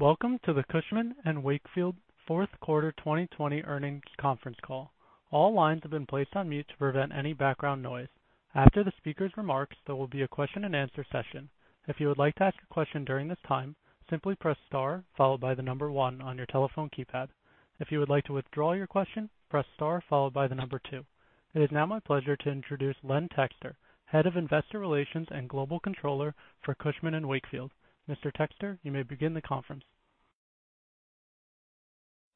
Welcome to the Cushman & Wakefield Fourth Quarter 2020 Earnings Conference Call. All lines have been placed on mute to prevent any background noise. After the speakers' remarks, there will be a question and answer session. If you would like to ask a question during this time, simply press star followed by number one on your telephone keypad. If you would like to withdraw your question, press star followed by number two. It is now my pleasure to introduce Len Texter, Head of Investor Relations and Global Controller for Cushman & Wakefield. Mr. Texter, you may begin the conference.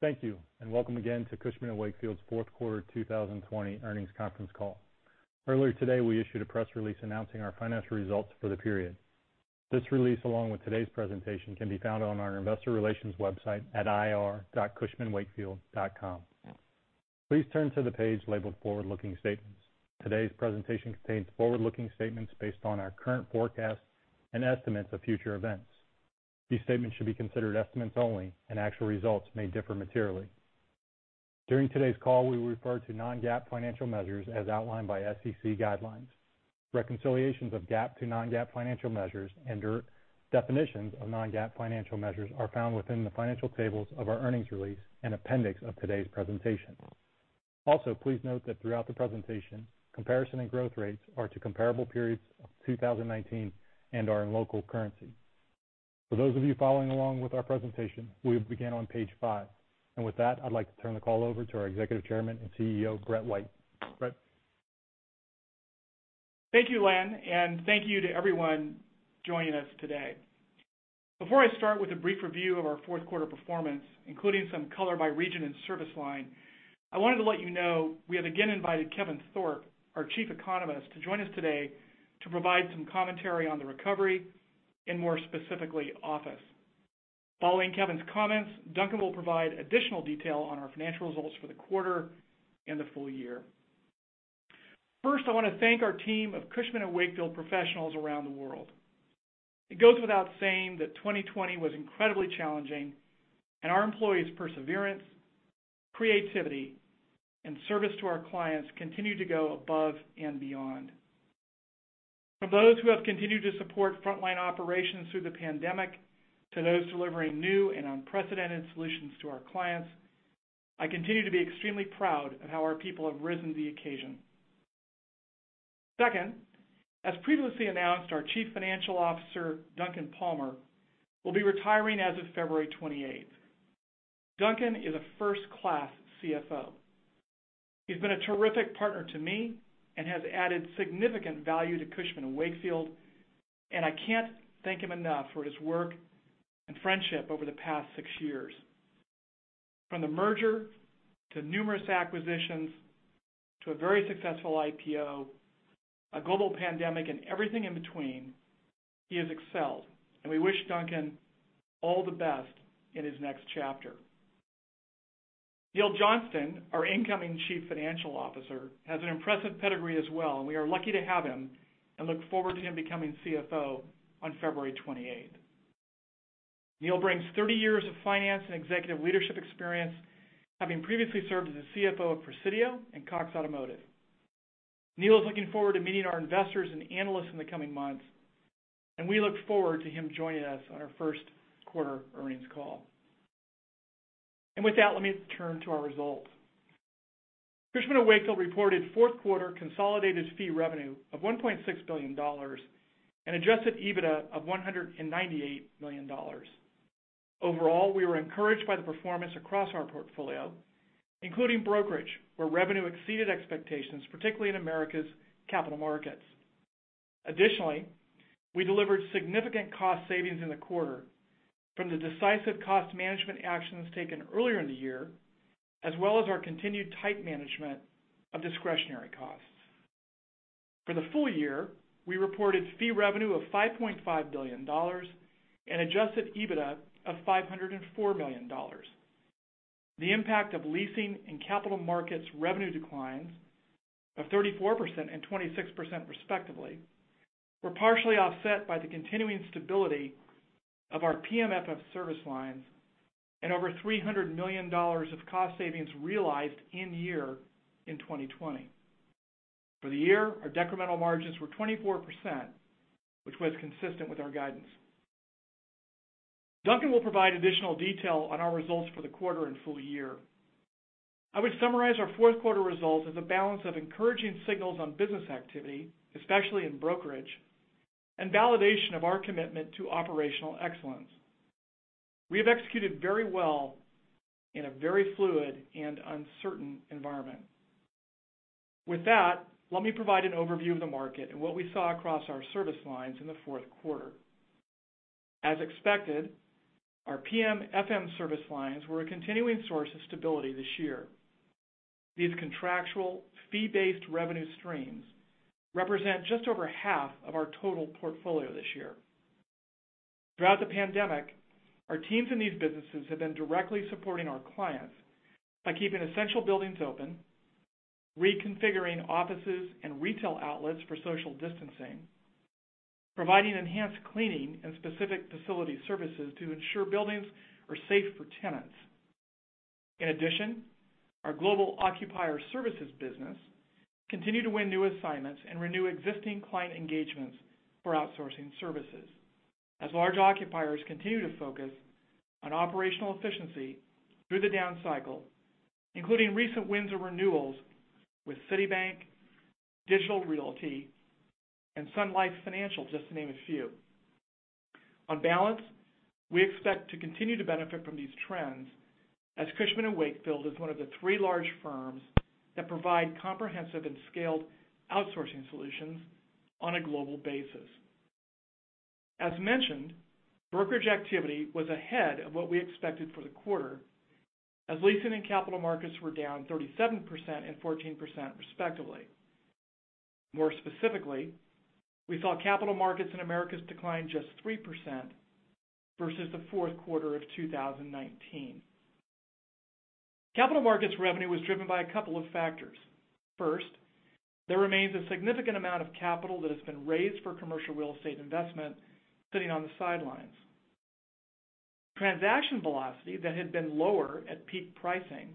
Thank you. Welcome again to Cushman & Wakefield's fourth quarter 2020 earnings conference call. Earlier today, we issued a press release announcing our financial results for the period. This release, along with today's presentation, can be found on our investor relations website at ir.cushmanwakefield.com. Please turn to the page labeled Forward-Looking Statements. Today's presentation contains forward-looking statements based on our current forecasts and estimates of future events. These statements should be considered estimates only, and actual results may differ materially. During today's call, we will refer to non-GAAP financial measures as outlined by SEC guidelines. Reconciliations of GAAP to non-GAAP financial measures and definitions of non-GAAP financial measures are found within the financial tables of our earnings release and appendix of today's presentation. Please note that throughout the presentation, comparison and growth rates are to comparable periods of 2019 and are in local currency. For those of you following along with our presentation, we will begin on page five. With that, I'd like to turn the call over to our Executive Chairman and CEO, Brett White. Brett? Thank you, Len, and thank you to everyone joining us today. Before I start with a brief review of our fourth quarter performance, including some color by region and service line, I wanted to let you know we have again invited Kevin Thorpe, our Chief Economist, to join us today to provide some commentary on the recovery and more specifically, office. Following Kevin's comments, Duncan will provide additional detail on our financial results for the quarter and the full year. First, I want to thank our team of Cushman & Wakefield professionals around the world. It goes without saying that 2020 was incredibly challenging, and our employees' perseverance, creativity, and service to our clients continued to go above and beyond. From those who have continued to support frontline operations through the pandemic to those delivering new and unprecedented solutions to our clients, I continue to be extremely proud of how our people have risen to the occasion. Second, as previously announced, our Chief Financial Officer, Duncan Palmer, will be retiring as of February 28th. Duncan is a first-class CFO. He's been a terrific partner to me and has added significant value to Cushman & Wakefield, and I can't thank him enough for his work and friendship over the past six years. From the merger to numerous acquisitions to a very successful IPO, a global pandemic and everything in between, he has excelled, and we wish Duncan all the best in his next chapter. Neil Johnston, our incoming Chief Financial Officer, has an impressive pedigree as well, and we are lucky to have him and look forward to him becoming CFO on February 28th. Neil brings 30 years of finance and executive leadership experience, having previously served as the CFO of Presidio and Cox Automotive. Neil is looking forward to meeting our investors and analysts in the coming months, and we look forward to him joining us on our first quarter earnings call. With that, let me turn to our results. Cushman & Wakefield reported fourth quarter consolidated fee revenue of $1.6 billion and adjusted EBITDA of $198 million. Overall, we were encouraged by the performance across our portfolio, including brokerage, where revenue exceeded expectations, particularly in Americas Capital Markets. Additionally, we delivered significant cost savings in the quarter from the decisive cost management actions taken earlier in the year, as well as our continued tight management of discretionary costs. For the full year, we reported fee revenue of $5.5 billion and adjusted EBITDA of $504 million. The impact of leasing and capital markets revenue declines of 34% and 26% respectively were partially offset by the continuing stability of our PM/FM service lines and over $300 million of cost savings realized in year in 2020. For the year, our decremental margins were 24%, which was consistent with our guidance. Duncan will provide additional detail on our results for the quarter and full year. I would summarize our fourth quarter results as a balance of encouraging signals on business activity, especially in brokerage, and validation of our commitment to operational excellence. We have executed very well in a very fluid and uncertain environment. With that, let me provide an overview of the market and what we saw across our service lines in the fourth quarter. As expected, our PM/FM service lines were a continuing source of stability this year. These contractual fee-based revenue streams represent just over half of our total portfolio this year. Throughout the pandemic, our teams in these businesses have been directly supporting our clients by keeping essential buildings open, reconfiguring offices and retail outlets for social distancing, providing enhanced cleaning and specific facility services to ensure buildings are safe for tenants. In addition, our Global Occupier Services business continued to win new assignments and renew existing client engagements for outsourcing services as large occupiers continue to focus on operational efficiency through the down cycle, including recent wins or renewals with Citibank, Digital Realty, and Sun Life Financial, just to name a few. On balance, we expect to continue to benefit from these trends as Cushman & Wakefield is one of the three large firms that provide comprehensive and scaled outsourcing solutions on a global basis. As mentioned, brokerage activity was ahead of what we expected for the quarter as leasing and capital markets were down 37% and 14%, respectively. More specifically, we saw capital markets in Americas decline just 3% versus the fourth quarter of 2019. Capital markets revenue was driven by a couple of factors. First, there remains a significant amount of capital that has been raised for commercial real estate investment sitting on the sidelines. Transaction velocity that had been lower at peak pricing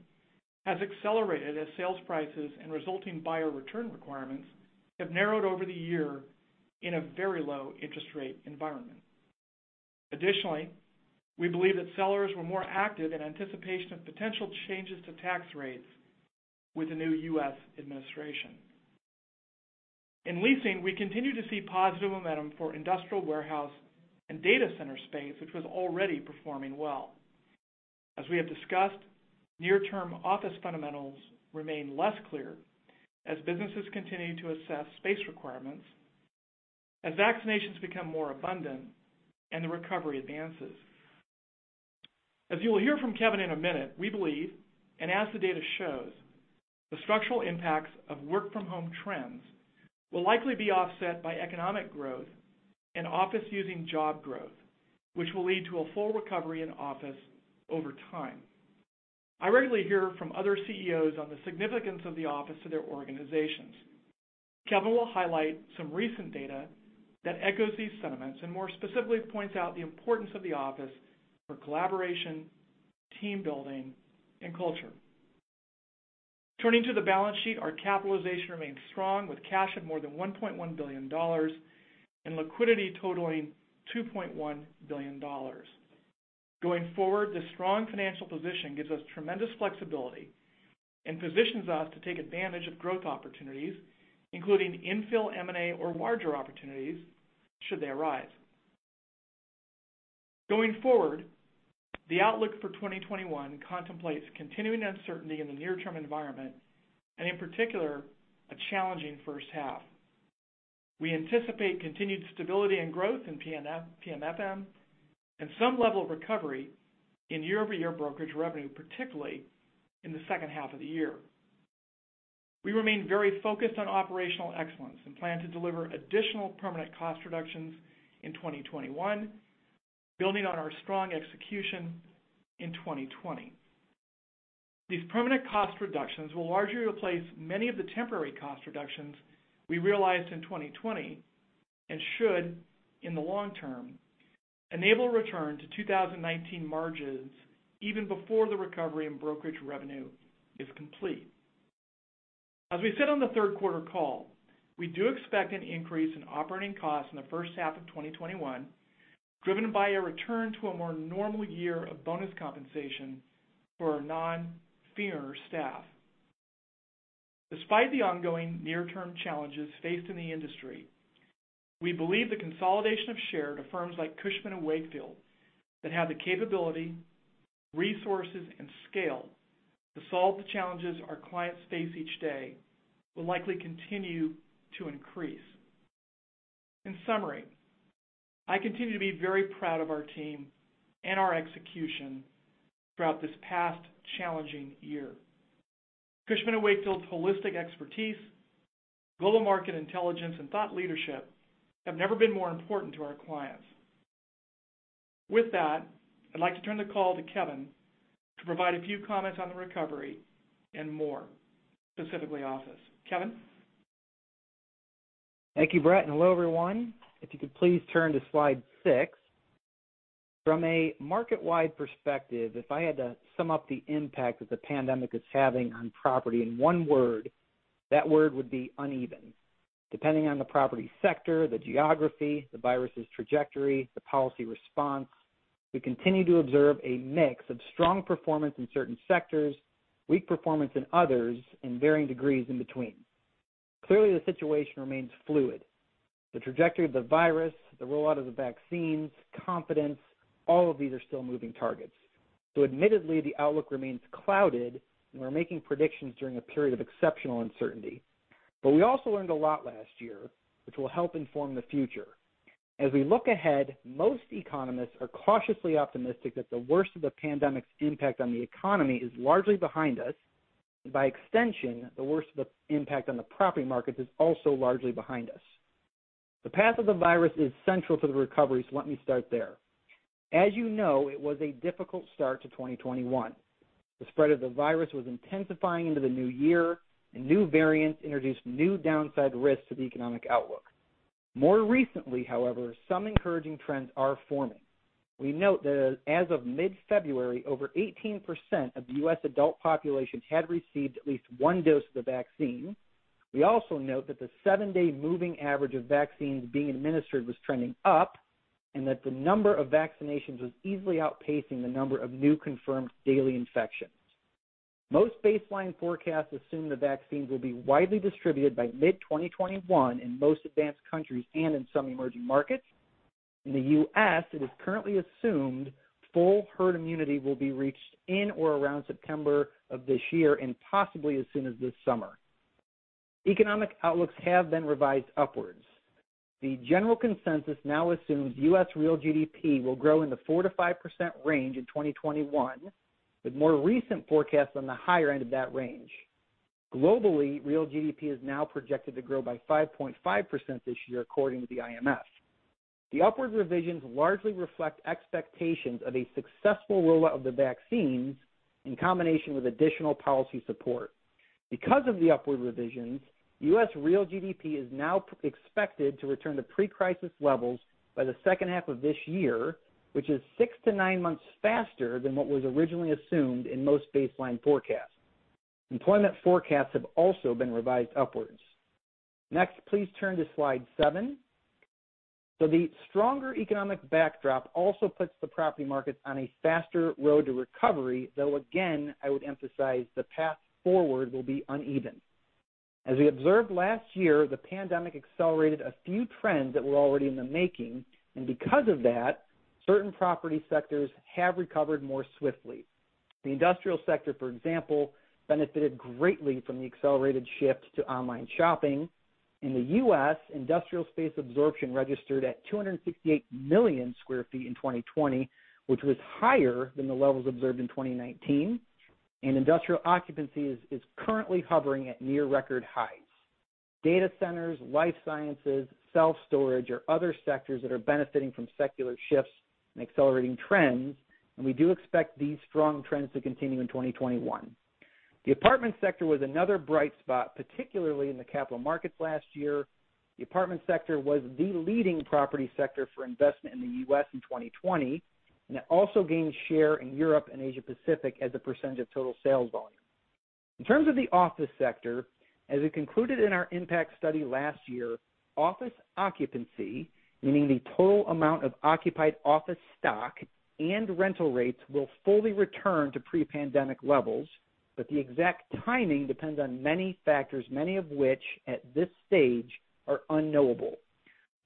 has accelerated as sales prices and resulting buyer return requirements have narrowed over the year in a very low interest rate environment. Additionally, we believe that sellers were more active in anticipation of potential changes to tax rates with the new U.S. administration. In leasing, we continue to see positive momentum for industrial warehouse and data center space, which was already performing well. As we have discussed, near-term office fundamentals remain less clear as businesses continue to assess space requirements, as vaccinations become more abundant, and the recovery advances. As you will hear from Kevin in a minute, we believe, and as the data shows, the structural impacts of work-from-home trends will likely be offset by economic growth and office-using job growth, which will lead to a full recovery in office over time. I regularly hear from other CEOs on the significance of the office to their organizations. Kevin will highlight some recent data that echoes these sentiments, and more specifically, points out the importance of the office for collaboration, team building, and culture. Turning to the balance sheet, our capitalization remains strong, with cash of more than $1.1 billion and liquidity totaling $2.1 billion. Going forward, this strong financial position gives us tremendous flexibility and positions us to take advantage of growth opportunities, including infill M&A or larger opportunities should they arise. The outlook for 2021 contemplates continuing uncertainty in the near-term environment, and in particular, a challenging first half. We anticipate continued stability and growth in PM/FM and some level of recovery in year-over-year brokerage revenue, particularly in the second half of the year. We remain very focused on operational excellence and plan to deliver additional permanent cost reductions in 2021, building on our strong execution in 2020. These permanent cost reductions will largely replace many of the temporary cost reductions we realized in 2020 and should, in the long term, enable a return to 2019 margins even before the recovery in brokerage revenue is complete. As we said on the third quarter call, we do expect an increase in operating costs in the first half of 2021, driven by a return to a more normal year of bonus compensation for our non-fee-earner staff. Despite the ongoing near-term challenges faced in the industry, we believe the consolidation of share to firms like Cushman & Wakefield that have the capability, resources, and scale to solve the challenges our clients face each day will likely continue to increase. In summary, I continue to be very proud of our team and our execution throughout this past challenging year. Cushman & Wakefield's holistic expertise, global market intelligence, and thought leadership have never been more important to our clients. With that, I'd like to turn the call to Kevin to provide a few comments on the recovery and more, specifically office. Kevin? Thank you, Brett. Hello, everyone. If you could please turn to slide six. From a market-wide perspective, if I had to sum up the impact that the pandemic is having on property in one word, that word would be uneven. Depending on the property sector, the geography, the virus' trajectory, the policy response, we continue to observe a mix of strong performance in certain sectors, weak performance in others, and varying degrees in between. Clearly, the situation remains fluid. The trajectory of the virus, the rollout of the vaccines, confidence, all of these are still moving targets. Admittedly, the outlook remains clouded and we're making predictions during a period of exceptional uncertainty. We also learned a lot last year, which will help inform the future. As we look ahead, most economists are cautiously optimistic that the worst of the pandemic's impact on the economy is largely behind us, and by extension, the worst of the impact on the property markets is also largely behind us. The path of the virus is central to the recovery, so let me start there. As you know, it was a difficult start to 2021. The spread of the virus was intensifying into the new year, and new variants introduced new downside risks to the economic outlook. More recently, however, some encouraging trends are forming. We note that as of mid-February, over 18% of the U.S. adult population had received at least one dose of the vaccine. We also note that the seven-day moving average of vaccines being administered was trending up, and that the number of vaccinations was easily outpacing the number of new confirmed daily infections. Most baseline forecasts assume the vaccines will be widely distributed by mid-2021 in most advanced countries and in some emerging markets. In the U.S., it is currently assumed full herd immunity will be reached in or around September of this year, and possibly as soon as this summer. Economic outlooks have been revised upwards. The general consensus now assumes U.S. real GDP will grow in the 4%-5% range in 2021, with more recent forecasts on the higher end of that range. Globally, real GDP is now projected to grow by 5.5% this year, according to the IMF. The upward revisions largely reflect expectations of a successful rollout of the vaccines in combination with additional policy support. Because of the upward revisions, U.S. real GDP is now expected to return to pre-crisis levels by the second half of this year, which is six to nine months faster than what was originally assumed in most baseline forecasts. Employment forecasts have also been revised upwards. Next, please turn to slide seven. The stronger economic backdrop also puts the property markets on a faster road to recovery, though again, I would emphasize the path forward will be uneven. As we observed last year, the pandemic accelerated a few trends that were already in the making, and because of that, certain property sectors have recovered more swiftly. The industrial sector, for example, benefited greatly from the accelerated shift to online shopping. In the U.S., industrial space absorption registered at 268 million sq ft in 2020, which was higher than the levels observed in 2019, and industrial occupancy is currently hovering at near record highs. Data centers, life sciences, self-storage are other sectors that are benefiting from secular shifts and accelerating trends, and we do expect these strong trends to continue in 2021. The apartment sector was another bright spot, particularly in the capital markets last year. The apartment sector was the leading property sector for investment in the U.S. in 2020, and it also gained share in Europe and Asia Pacific as a percentage of total sales volume. In terms of the office sector, as we concluded in our impact study last year, office occupancy, meaning the total amount of occupied office stock and rental rates, will fully return to pre-pandemic levels, the exact timing depends on many factors, many of which at this stage are unknowable.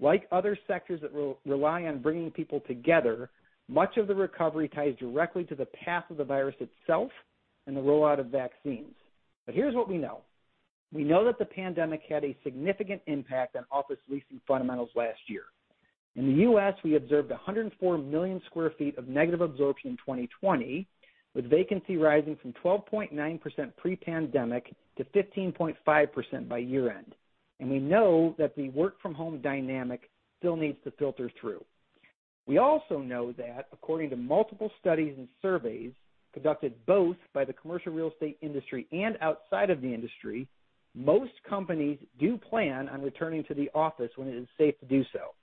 Like other sectors that rely on bringing people together, much of the recovery ties directly to the path of the virus itself and the rollout of vaccines. Here's what we know. We know that the pandemic had a significant impact on office leasing fundamentals last year. In the U.S., we observed 104 million sq ft of negative absorption in 2020, with vacancy rising from 12.9% pre-pandemic to 15.5% by year-end. We know that the work-from-home dynamic still needs to filter through. We also know that according to multiple studies and surveys conducted both by the commercial real estate industry and outside of the industry, most companies do plan on returning to the office when it is safe to do so.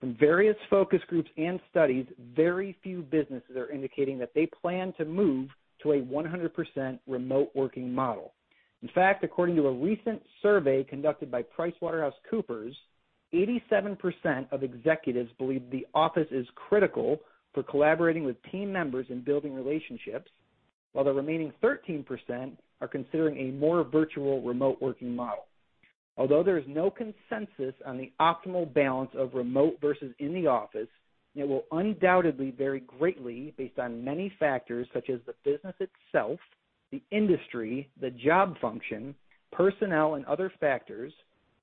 From various focus groups and studies, very few businesses are indicating that they plan to move to a 100% remote working model. In fact, according to a recent survey conducted by PricewaterhouseCoopers, 87% of executives believe the office is critical for collaborating with team members and building relationships, while the remaining 13% are considering a more virtual remote working model. Although there is no consensus on the optimal balance of remote versus in the office, and it will undoubtedly vary greatly based on many factors such as the business itself, the industry, the job function, personnel, and other factors,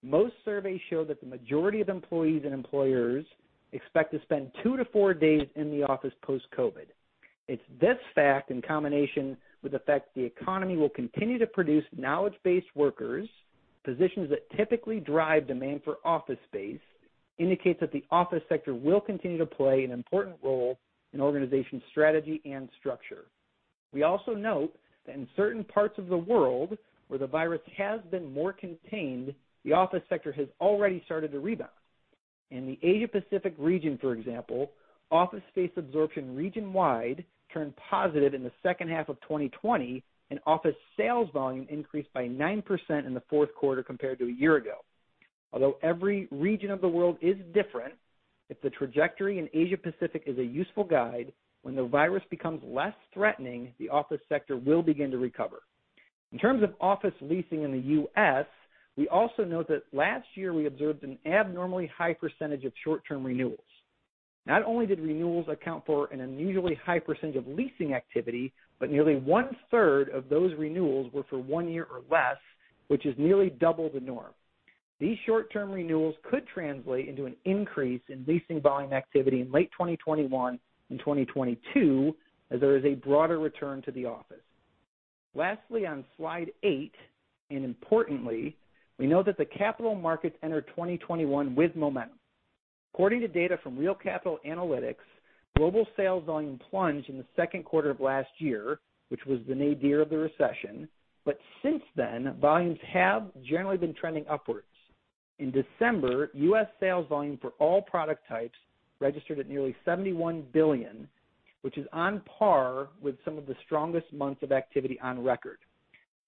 most surveys show that the majority of employees and employers expect to spend two to four days in the office post-COVID. It's this fact, in combination with the fact the economy will continue to produce knowledge-based workers, positions that typically drive demand for office space indicates that the office sector will continue to play an important role in organization strategy and structure. We also note that in certain parts of the world where the virus has been more contained, the office sector has already started to rebound. In the Asia Pacific region, for example, office space absorption region-wide turned positive in the second half of 2020, and office sales volume increased by 9% in the fourth quarter compared to a year ago. Although every region of the world is different, if the trajectory in Asia Pacific is a useful guide, when the virus becomes less threatening, the office sector will begin to recover. In terms of office leasing in the U.S., we also note that last year we observed an abnormally high percentage of short-term renewals. Not only did renewals account for an unusually high percentage of leasing activity, but nearly one-third of those renewals were for one year or less, which is nearly double the norm. These short-term renewals could translate into an increase in leasing volume activity in late 2021 and 2022 as there is a broader return to the office. Lastly, on slide eight, importantly, we know that the capital markets enter 2021 with momentum. According to data from Real Capital Analytics, global sales volume plunged in the second quarter of last year, which was the nadir of the recession. Since then, volumes have generally been trending upwards. In December, U.S. sales volume for all product types registered at nearly $71 billion, which is on par with some of the strongest months of activity on record.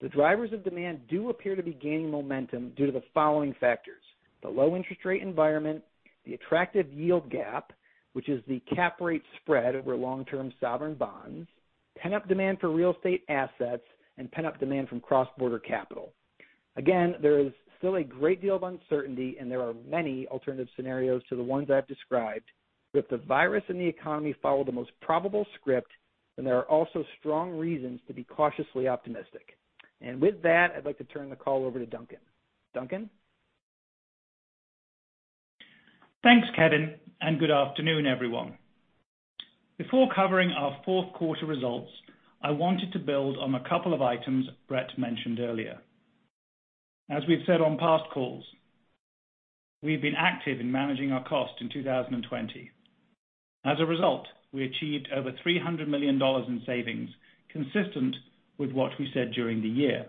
The drivers of demand do appear to be gaining momentum due to the following factors: the low interest rate environment, the attractive yield gap, which is the cap rate spread over long-term sovereign bonds, pent-up demand for real estate assets, and pent-up demand from cross-border capital. There is still a great deal of uncertainty, and there are many alternative scenarios to the ones I've described. If the virus and the economy follow the most probable script, then there are also strong reasons to be cautiously optimistic. With that, I'd like to turn the call over to Duncan. Duncan? Thanks, Kevin. Good afternoon, everyone. Before covering our fourth quarter results, I wanted to build on a couple of items Brett mentioned earlier. As we've said on past calls, we've been active in managing our cost in 2020. As a result, we achieved over $300 million in savings consistent with what we said during the year.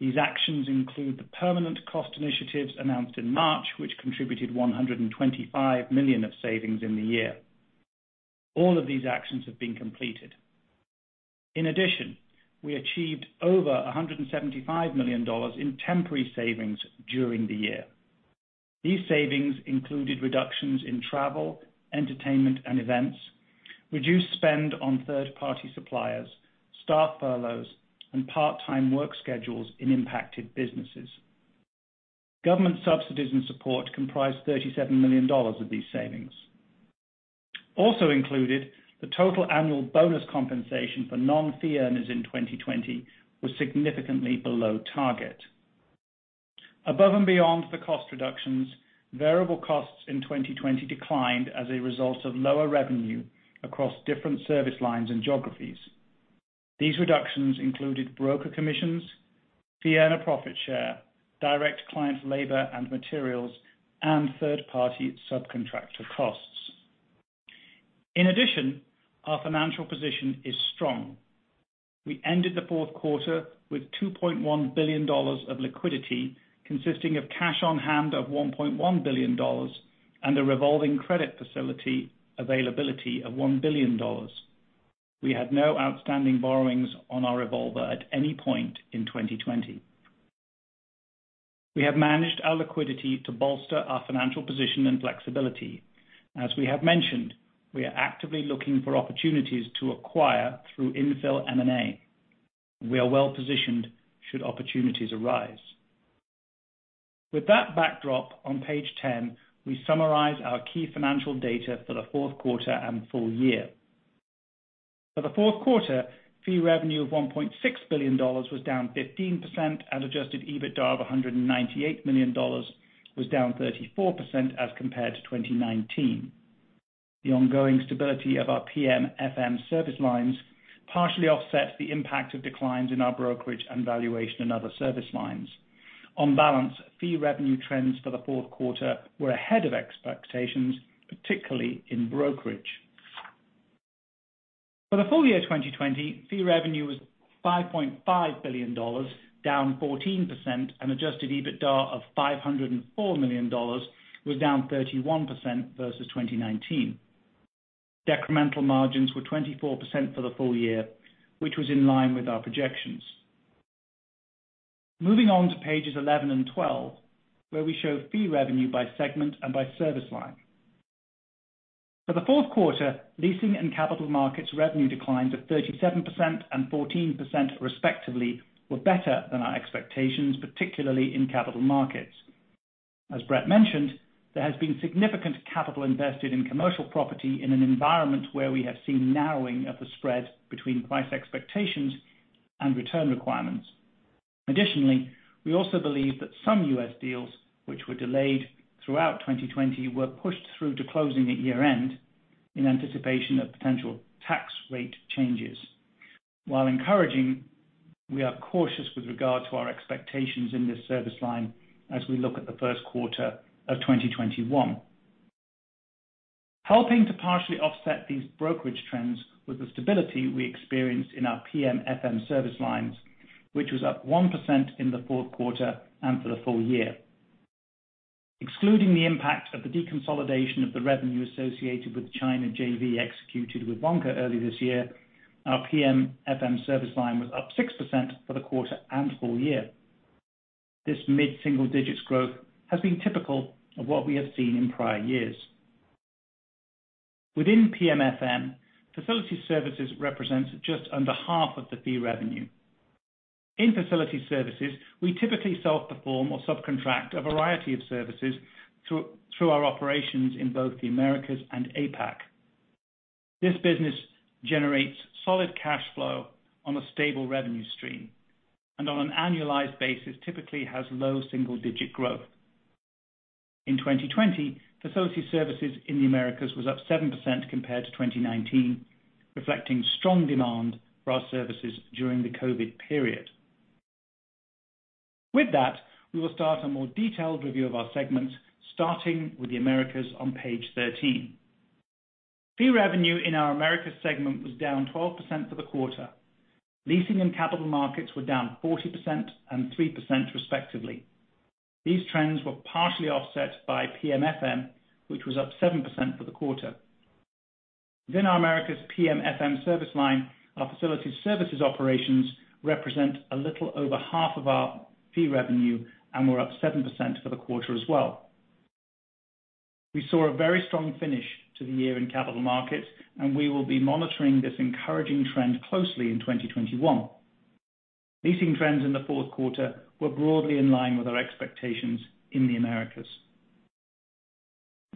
These actions include the permanent cost initiatives announced in March, which contributed $125 million of savings in the year. All of these actions have been completed. In addition, we achieved over $175 million in temporary savings during the year. These savings included reductions in travel, entertainment, events, reduced spend on third-party suppliers, staff furloughs, and part-time work schedules in impacted businesses. Government subsidies and support comprised $37 million of these savings. Also included, the total annual bonus compensation for non-fee-earners in 2020 was significantly below target. Above and beyond the cost reductions, variable costs in 2020 declined as a result of lower revenue across different service lines and geographies. These reductions included broker commissions, fee-earner profit share, direct client labor and materials, and third-party subcontractor costs. In addition, our financial position is strong. We ended the fourth quarter with $2.1 billion of liquidity, consisting of cash on hand of $1.1 billion and a revolving credit facility availability of $1 billion. We had no outstanding borrowings on our revolver at any point in 2020. We have managed our liquidity to bolster our financial position and flexibility. As we have mentioned, we are actively looking for opportunities to acquire through infill M&A. We are well-positioned should opportunities arise. With that backdrop, on page 10, we summarize our key financial data for the fourth quarter and full year. For the fourth quarter, fee revenue of $1.6 billion was down 15%, and adjusted EBITDA of $198 million was down 34% as compared to 2019. The ongoing stability of our PM/FM service lines partially offset the impact of declines in our brokerage and valuation and other service lines. On balance, fee revenue trends for the fourth quarter were ahead of expectations, particularly in brokerage. For the full year 2020, fee revenue was $5.5 billion, down 14%, and adjusted EBITDA of $504 million was down 31% versus 2019. decremental margins were 24% for the full year, which was in line with our projections. Moving on to pages 11 and 12, where we show fee revenue by segment and by service line. For the fourth quarter, leasing and capital markets revenue declines of 37% and 14% respectively were better than our expectations, particularly in capital markets. As Brett mentioned, there has been significant capital invested in commercial property in an environment where we have seen narrowing of the spread between price expectations and return requirements. Additionally, we also believe that some U.S. deals which were delayed throughout 2020 were pushed through to closing at year-end in anticipation of potential tax rate changes. While encouraging, we are cautious with regard to our expectations in this service line as we look at the first quarter of 2021. Helping to partially offset these brokerage trends was the stability we experienced in our PM/FM service lines, which was up 1% in the fourth quarter and for the full year. Excluding the impact of the deconsolidation of the revenue associated with the China JV executed with Vanke early this year, our PM/FM service line was up 6% for the quarter and full year. This mid-single digits growth has been typical of what we have seen in prior years. Within PM/FM, facility services represents just under half of the fee revenue. In facility services, we typically self-perform or subcontract a variety of services through our operations in both the Americas and APAC. This business generates solid cash flow on a stable revenue stream, and on an annualized basis typically has low double-digit growth. In 2020, facility services in the Americas was up 7% compared to 2019, reflecting strong demand for our services during the COVID period. With that, we will start a more detailed review of our segments, starting with the Americas on page 13. Fee revenue in our Americas segment was down 12% for the quarter. Leasing and capital markets were down 40% and 3% respectively. These trends were partially offset by PM/FM, which was up 7% for the quarter. Within our Americas PM/FM service line, our facility services operations represent a little over half of our fee revenue and were up 7% for the quarter as well. We saw a very strong finish to the year in capital markets, and we will be monitoring this encouraging trend closely in 2021. Leasing trends in the fourth quarter were broadly in line with our expectations in the Americas.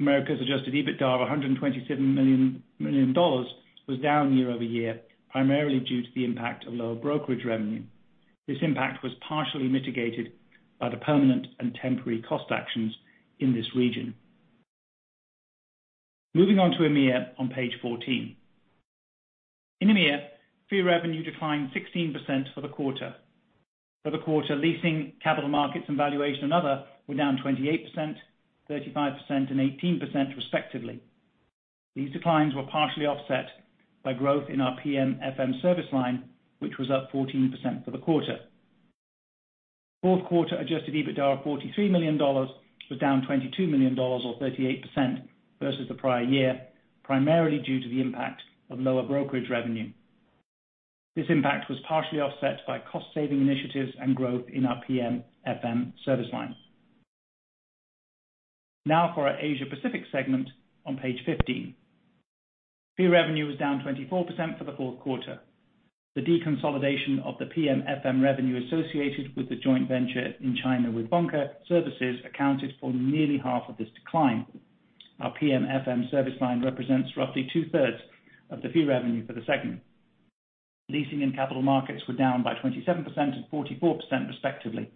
Americas adjusted EBITDA of $127 million was down year-over-year, primarily due to the impact of lower brokerage revenue. This impact was partially mitigated by the permanent and temporary cost actions in this region. Moving on to EMEA on page 14. In EMEA, fee revenue declined 16% for the quarter. For the quarter, leasing, capital markets and valuation and other were down 28%, 35% and 18% respectively. These declines were partially offset by growth in our PM/FM service line, which was up 14% for the quarter. Fourth quarter adjusted EBITDA of $43 million was down $22 million or 38% versus the prior year, primarily due to the impact of lower brokerage revenue. This impact was partially offset by cost-saving initiatives and growth in our PM/FM service line. For our Asia Pacific segment on page 15. Fee revenue was down 24% for the fourth quarter. The deconsolidation of the PM/FM revenue associated with the joint venture in China with Vanke Service accounted for nearly half of this decline. Our PM/FM service line represents roughly two-thirds of the fee revenue for the segment. Leasing and capital markets were down by 27% and 44% respectively.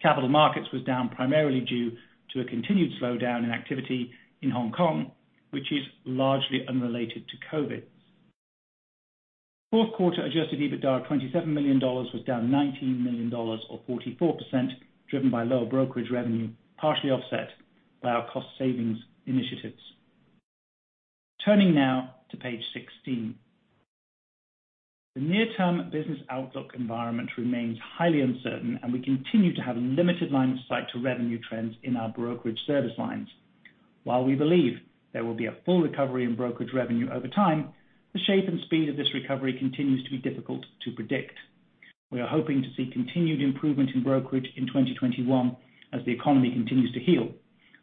Capital markets was down primarily due to a continued slowdown in activity in Hong Kong, which is largely unrelated to COVID. Fourth quarter adjusted EBITDA of $27 million was down $19 million or 44%, driven by lower brokerage revenue, partially offset by our cost savings initiatives. Turning now to page 16. The near-term business outlook environment remains highly uncertain and we continue to have limited line of sight to revenue trends in our brokerage service lines. While we believe there will be a full recovery in brokerage revenue over time, the shape and speed of this recovery continues to be difficult to predict. We are hoping to see continued improvement in brokerage in 2021 as the economy continues to heal.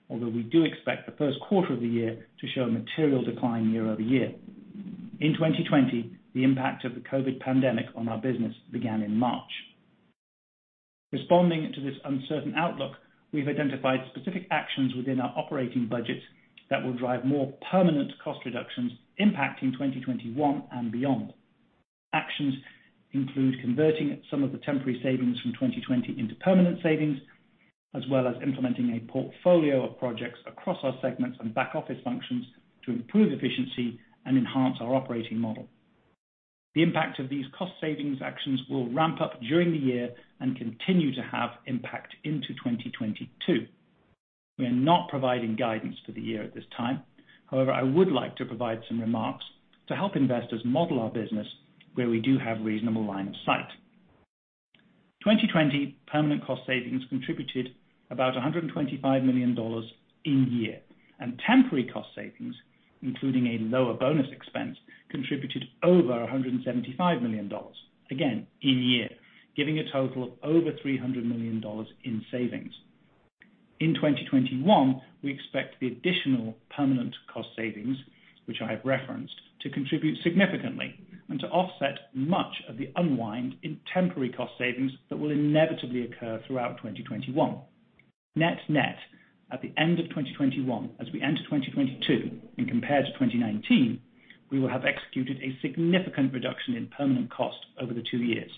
Although we do expect the first quarter of the year to show a material decline year-over-year. In 2020, the impact of the COVID pandemic on our business began in March. Responding to this uncertain outlook, we've identified specific actions within our operating budget that will drive more permanent cost reductions, impacting 2021 and beyond. Actions include converting some of the temporary savings from 2020 into permanent savings, as well as implementing a portfolio of projects across our segments and back office functions to improve efficiency and enhance our operating model. The impact of these cost savings actions will ramp up during the year and continue to have impact into 2022. We are not providing guidance for the year at this time. I would like to provide some remarks to help investors model our business where we do have reasonable line of sight. 2020 permanent cost savings contributed about $125 million in year, and temporary cost savings, including a lower bonus expense, contributed over $175 million. Again, in year. Giving a total of over $300 million in savings. In 2021, we expect the additional permanent cost savings, which I have referenced, to contribute significantly and to offset much of the unwind in temporary cost savings that will inevitably occur throughout 2021. Net net, at the end of 2021, as we enter 2022, and compared to 2019, we will have executed a significant reduction in permanent cost over the two years.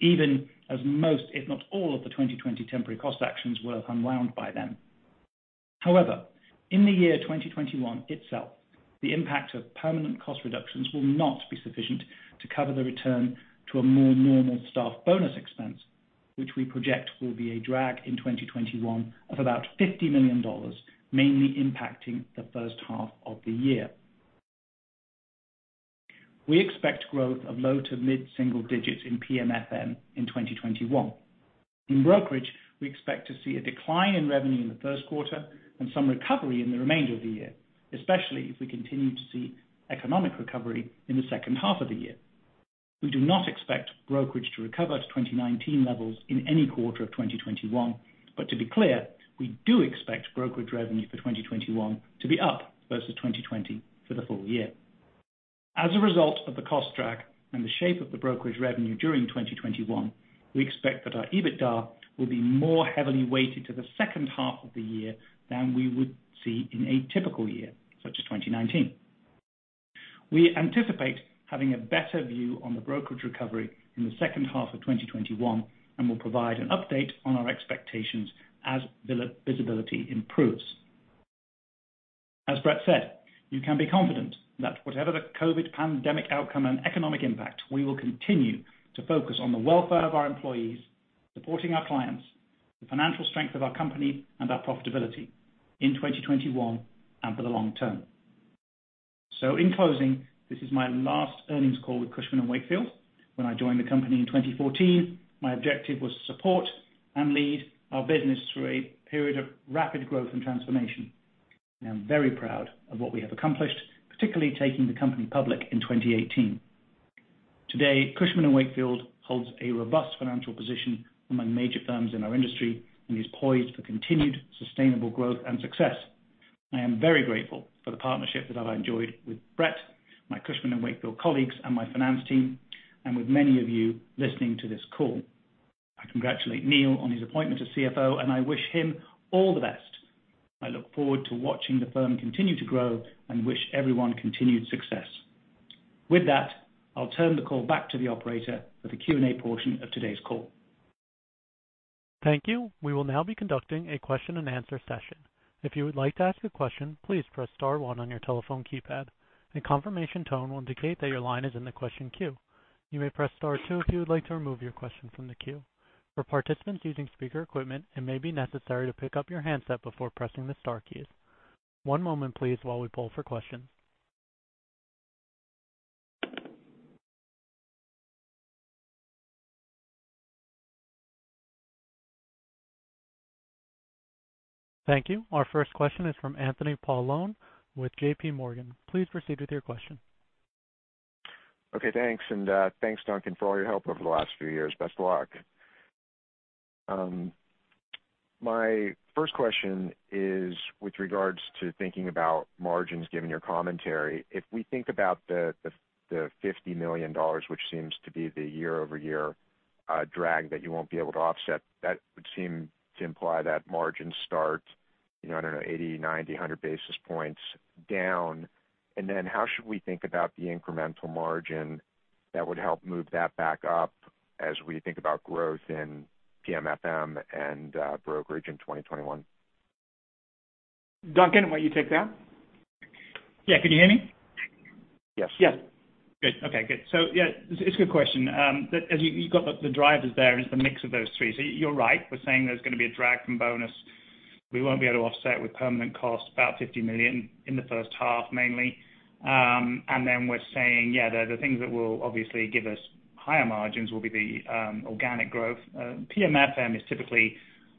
Even as most, if not all of the 2020 temporary cost actions were unwound by then. However, in the year 2021 itself, the impact of permanent cost reductions will not be sufficient to cover the return to a more normal staff bonus expense, which we project will be a drag in 2021 of about $50 million, mainly impacting the first half of the year. We expect growth of low to mid single digits in PM/FM in 2021. In brokerage, we expect to see a decline in revenue in the first quarter and some recovery in the remainder of the year, especially if we continue to see economic recovery in the second half of the year. We do not expect brokerage to recover to 2019 levels in any quarter of 2021. To be clear, we do expect brokerage revenue for 2021 to be up versus 2020 for the full year. As a result of the cost drag and the shape of the brokerage revenue during 2021, we expect that our EBITDA will be more heavily weighted to the second half of the year than we would see in a typical year, such as 2019. We anticipate having a better view on the brokerage recovery in the second half of 2021, and will provide an update on our expectations as visibility improves. As Brett said, you can be confident that whatever the COVID pandemic outcome and economic impact, we will continue to focus on the welfare of our employees, supporting our clients, the financial strength of our company, and our profitability in 2021 and for the long term. In closing, this is my last earnings call with Cushman & Wakefield. When I joined the company in 2014, my objective was to support and lead our business through a period of rapid growth and transformation. I'm very proud of what we have accomplished, particularly taking the company public in 2018. Today, Cushman & Wakefield holds a robust financial position among major firms in our industry and is poised for continued sustainable growth and success. I am very grateful for the partnership that I've enjoyed with Brett, my Cushman & Wakefield colleagues, and my finance team, with many of you listening to this call. I congratulate Neil on his appointment as CFO, I wish him all the best. I look forward to watching the firm continue to grow and wish everyone continued success. With that, I'll turn the call back to the operator for the Q&A portion of today's call. Thank you. We will now be conducting a question and answer session. If you would like to ask a question, please press star-one on your telephone keypad and a confirmation tone will indicate that your line is in the question queue. You may press star-two if you like to remove your question from the queue. For participants using speaker equipment. It may be necessary to pick up your handset before pressing the star keys. One moment, Please, while we poll for questions. Thank you. Our first question is from Anthony Paolone with JPMorgan. Please proceed with your question. Okay, thanks. Thanks, Duncan, for all your help over the last few years. Best of luck. My first question is with regards to thinking about margins, given your commentary. If we think about the $50 million, which seems to be the year-over-year drag that you won't be able to offset, that would seem to imply that margins start, I don't know, 80, 90, 100 basis points down. How should we think about the incremental margin that would help move that back up as we think about growth in PM/FM and brokerage in 2021? Duncan, why don't you take that? Yeah. Can you hear me? Yes. Yes. Good. Okay, good. Yeah, it's a good question. You got the drivers there, and it's the mix of those three. You're right. We're saying there's gonna be a drag from bonus we won't be able to offset with permanent costs, about $50 million in the first half mainly. We're saying, yeah, the things that will obviously give us higher margins will be the organic growth. PM/FM is typically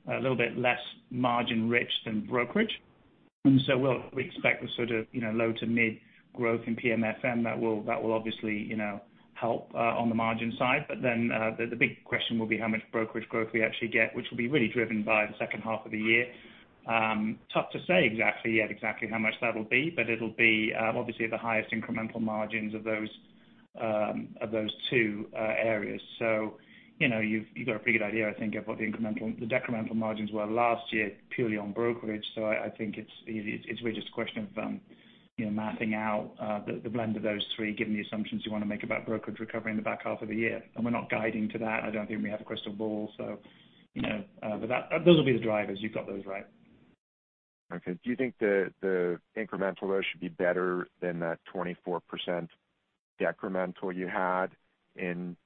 a little bit less margin rich than brokerage. We expect the sort of low to mid growth in PM/FM that will obviously help on the margin side. The big question will be how much brokerage growth we actually get, which will be really driven by the second half of the year. Tough to say exactly yet, exactly how much that'll be, but it'll be obviously the highest incremental margins of those two areas. You've got a pretty good idea, I think, of what the decremental margins were last year purely on brokerage. I think it's really just a question of mapping out the blend of those three, given the assumptions you want to make about brokerage recovery in the back half of the year. We're not guiding to that. I don't think we have a crystal ball. Those will be the drivers. You've got those right. Okay. Do you think the incremental there should be better than that 24% decremental you had?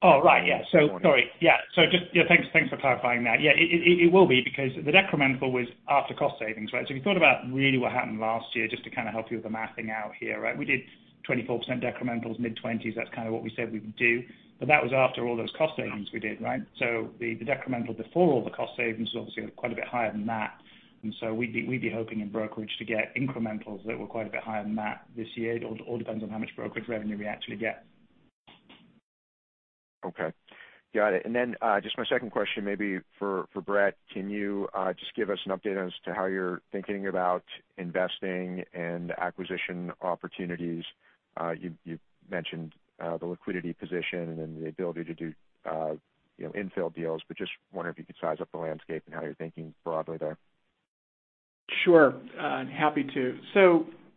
Right. Sorry. Just, thanks for clarifying that. It will be, because the decremental was after cost savings, right? If you thought about really what happened last year, just to kind of help you with the mapping out here, right? We did 24% decremental, mid-20s. That's kind of what we said we would do. That was after all those cost savings we did, right? The decremental before all the cost savings was obviously quite a bit higher than that. We'd be hoping in brokerage to get incrementals that were quite a bit higher than that this year. It all depends on how much brokerage revenue we actually get. Okay. Got it. Just my second question maybe for Brett. Can you just give us an update as to how you're thinking about investing and acquisition opportunities? You mentioned the liquidity position and the ability to do infill deals, but just wondering if you could size up the landscape and how you're thinking broadly there. Sure. Happy to.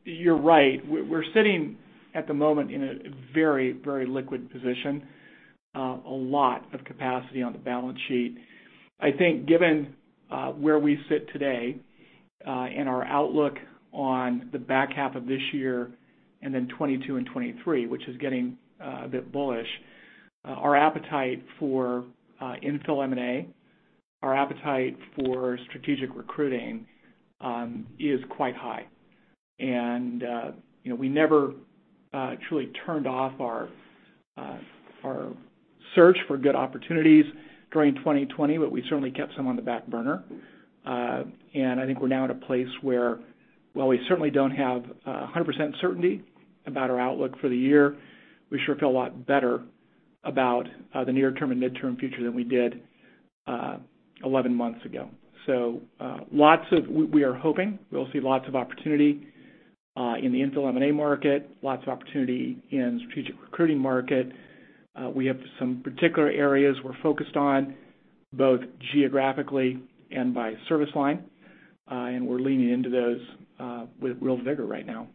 You're right. We're sitting at the moment in a very liquid position. A lot of capacity on the balance sheet. I think given where we sit today, and our outlook on the back half of this year and then 2022 and 2023, which is getting a bit bullish, our appetite for infill M&A, our appetite for strategic recruiting, is quite high. We never truly turned off our search for good opportunities during 2020, but we certainly kept some on the back burner. I think we're now at a place where while we certainly don't have 100% certainty about our outlook for the year, we sure feel a lot better about the near term and midterm future than we did 11 months ago. We are hoping we'll see lots of opportunity, in the infill M&A market, lots of opportunity in the strategic recruiting market. We have some particular areas we're focused on, both geographically and by service line, and we're leaning into those with real vigor right now.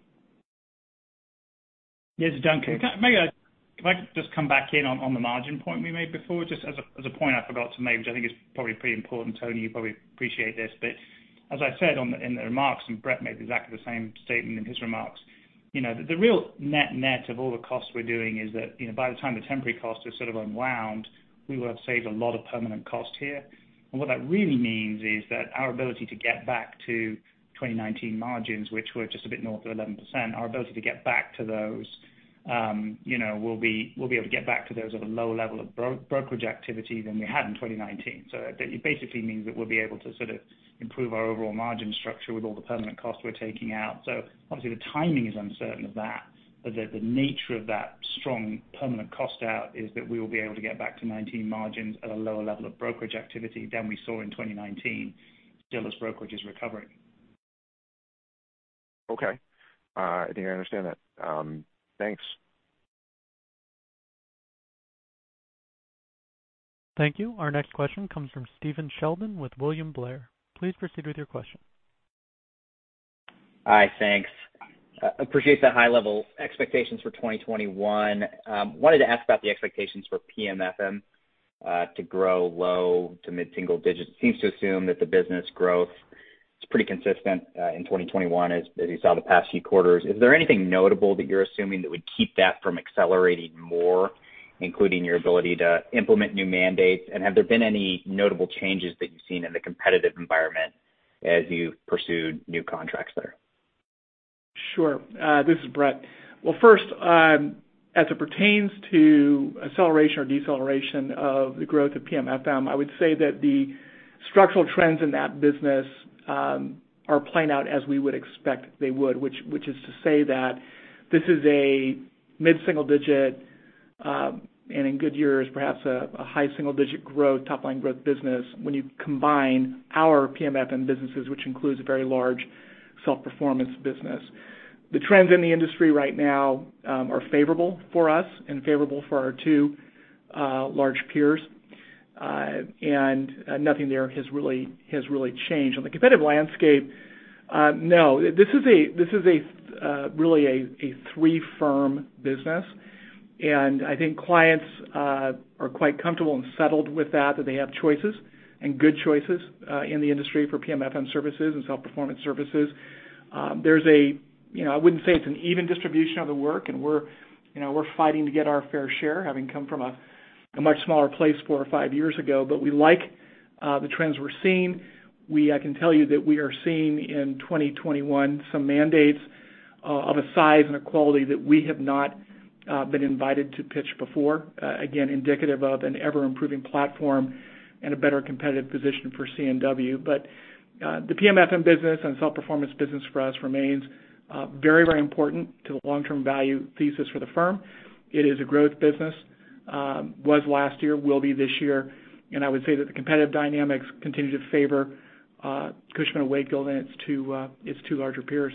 Yes, Duncan, maybe if I could just come back in on the margin point we made before, just as a point I forgot to make, which I think is probably pretty important. Tony, you probably appreciate this, but as I said in the remarks, and Brett made exactly the same statement in his remarks, the real net-net of all the costs we're doing is that, by the time the temporary cost is sort of unwound, we will have saved a lot of permanent cost here. What that really means is that our ability to get back to 2019 margins, which were just a bit north of 11%, our ability to get back to those, we'll be able to get back to those at a lower level of brokerage activity than we had in 2019. It basically means that we'll be able to sort of improve our overall margin structure with all the permanent costs we're taking out. Obviously, the timing is uncertain of that. The nature of that strong permanent cost out is that we will be able to get back to 2019 margins at a lower level of brokerage activity than we saw in 2019, still as brokerage is recovering. Okay. I think I understand that. Thanks. Thank you. Our next question comes from Stephen Sheldon with William Blair. Please proceed with your question. Hi, thanks. Appreciate the high level expectations for 2021. Wanted to ask about the expectations for PM/FM to grow low to mid-single digits. Seems to assume that the business growth is pretty consistent in 2021, as you saw the past few quarters. Is there anything notable that you're assuming that would keep that from accelerating more, including your ability to implement new mandates? Have there been any notable changes that you've seen in the competitive environment as you've pursued new contracts there? Sure. This is Brett. Well, first, as it pertains to acceleration or deceleration of the growth of PM/FM, I would say that the structural trends in that business are playing out as we would expect they would. Which is to say that this is a mid-single digit, and in good years, perhaps a high single digit growth, top-line growth business when you combine our PM/FM businesses, which includes a very large self-performance business. The trends in the industry right now are favorable for us and favorable for our two large peers. Nothing there has really changed. On the competitive landscape, no. This is really a three-firm business, and I think clients are quite comfortable and settled with that they have choices and good choices in the industry for PM/FM services and self-performance services. I wouldn't say it's an even distribution of the work, and we're fighting to get our fair share, having come from a much smaller place four or five years ago, but we like the trends we're seeing. I can tell you that we are seeing in 2021 some mandates of a size and a quality that we have not been invited to pitch before. Again, indicative of an ever-improving platform and a better competitive position for C&W. But the PM/FM business and self-performance business for us remains very important to the long-term value thesis for the firm. It is a growth business. Was last year, will be this year. And I would say that the competitive dynamics continue to favor Cushman & Wakefield and its two larger peers.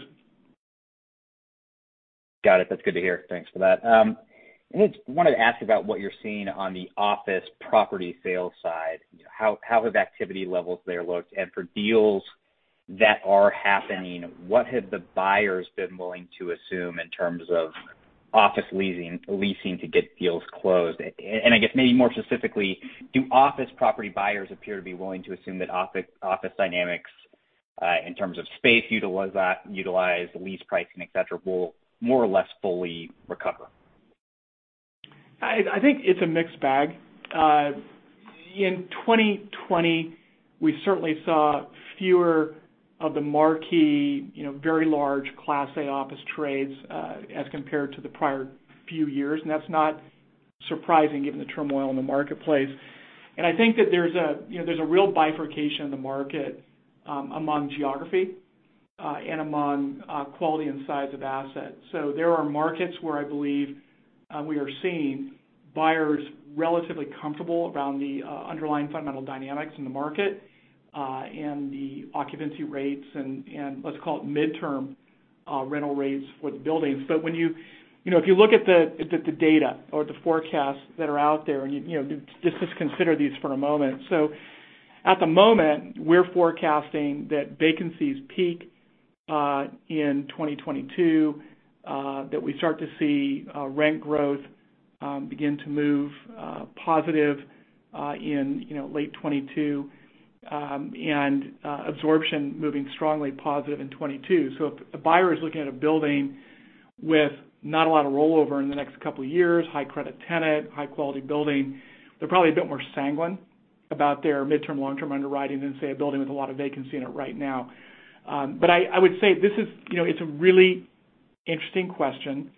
Got it. That's good to hear. Thanks for that. I just wanted to ask about what you're seeing on the office property sales side. How have activity levels there looked? For deals that are happening, what have the buyers been willing to assume in terms of office leasing to get deals closed? I guess maybe more specifically, do office property buyers appear to be willing to assume that office dynamics, in terms of space utilized, lease price, and et cetera, will more or less fully recover? I think it's a mixed bag. In 2020, we certainly saw fewer of the marquee very large Class A office trades as compared to the prior few years, and that's not surprising given the turmoil in the marketplace, and I think that there's a real bifurcation in the market among geography and among quality and size of assets. There are markets where I believe we are seeing buyers relatively comfortable around the underlying fundamental dynamics in the market and the occupancy rates and-let's call it mid-term rental rates with buildings. If you look at the data or the forecasts that are out there, and just consider these for a moment. At the moment, we're forecasting that vacancies peak in 2022, that we start to see rent growth begin to move positive in late 2022, and absorption moving strongly positive in 2022. If a buyer is looking at a building with not a lot of rollover in the next couple of years, high credit tenant, high-quality building, they're probably a bit more sanguine about their midterm, long-term underwriting than, say, a building with a lot of vacancy in it right now. I would say it's a really interesting question.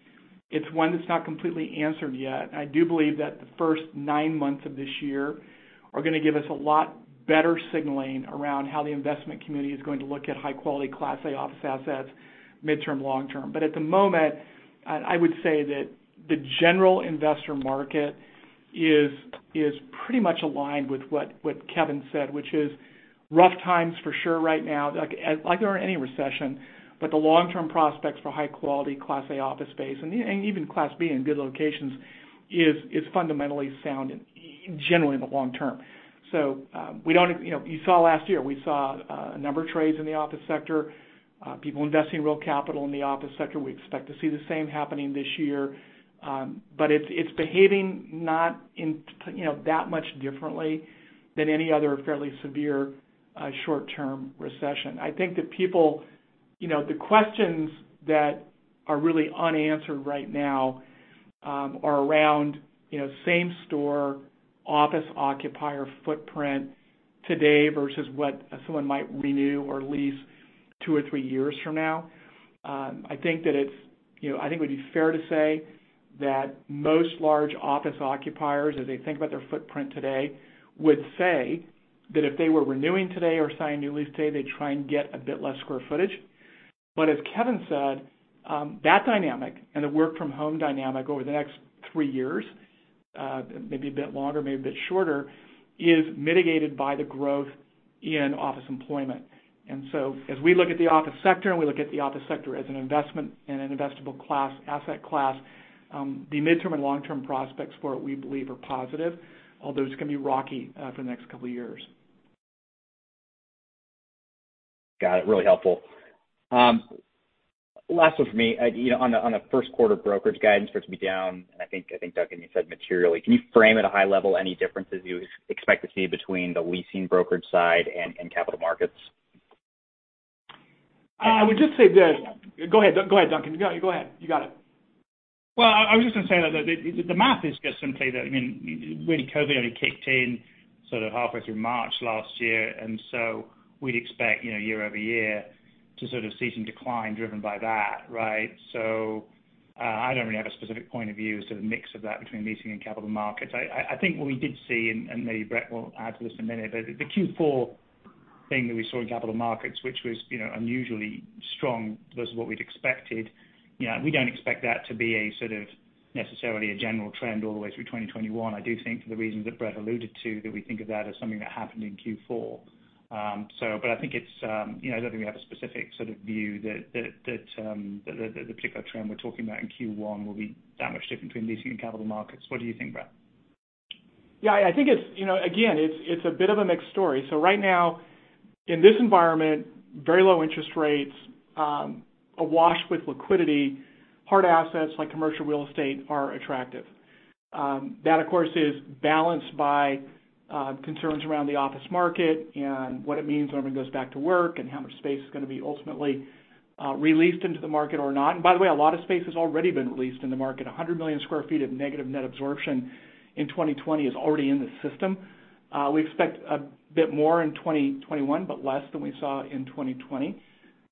It's one that's not completely answered yet. I do believe that the first nine months of this year are going to give us a lot better signaling around how the investment community is going to look at high-quality Class A office assets midterm, long-term. At the moment, I would say that the general investor market is pretty much aligned with what Kevin said, which is rough times for sure right now, like there are in any recession, but the long-term prospects for high-quality Class A office space, and even Class B in good locations, is fundamentally sound, generally in the long term. You saw last year. We saw a number of trades in the office sector, people investing real capital in the office sector. We expect to see the same happening this year. It's behaving not that much differently than any other fairly severe short-term recession. I think the questions that are really unanswered right now are around same store office occupier footprint today versus what someone might renew or lease two or three years from now. I think it would be fair to say that most large office occupiers, as they think about their footprint today, would say that if they were renewing today or signing a new lease today, they'd try and get a bit less square footage. As Kevin said, that dynamic and the work from home dynamic over the next three years, maybe a bit longer, maybe a bit shorter, is mitigated by the growth in office employment. As we look at the office sector, and we look at the office sector as an investment and an investable asset class, the midterm and long-term prospects for it, we believe are positive, although it's going to be rocky for the next couple of years. Got it. Really helpful. Last one from me. On the first quarter brokerage guidance for it to be down, and I think, Duncan, you said materially. Can you frame at a high level any differences you expect to see between the leasing brokerage side and capital markets? I would just say that. Go ahead, Duncan. Go ahead. You got it. Well, I was just going to say that the math is just simply that, really COVID only kicked in sort of halfway through March last year, and so we'd expect year-over-year to sort of see some decline driven by that, right? I don't really have a specific point of view as to the mix of that between leasing and capital markets. I think what we did see, and maybe Brett will add to this in a minute, but the Q4 thing that we saw in capital markets, which was unusually strong versus what we'd expected. We don't expect that to be necessarily a general trend all the way through 2021. I do think for the reasons that Brett alluded to, that we think of that as something that happened in Q4. I don't think we have a specific sort of view that the particular trend we're talking about in Q1 will be that much different between leasing and capital markets. What do you think, Brett? I think, again, it's a bit of a mixed story. Right now, in this environment, very low interest rates, awash with liquidity, hard assets like commercial real estate are attractive. That, of course, is balanced by concerns around the office market and what it means when everyone goes back to work and how much space is going to be ultimately released into the market or not. By the way, a lot of space has already been released in the market. 100 million square feet of negative net absorption in 2020 is already in the system. We expect a bit more in 2021, but less than we saw in 2020.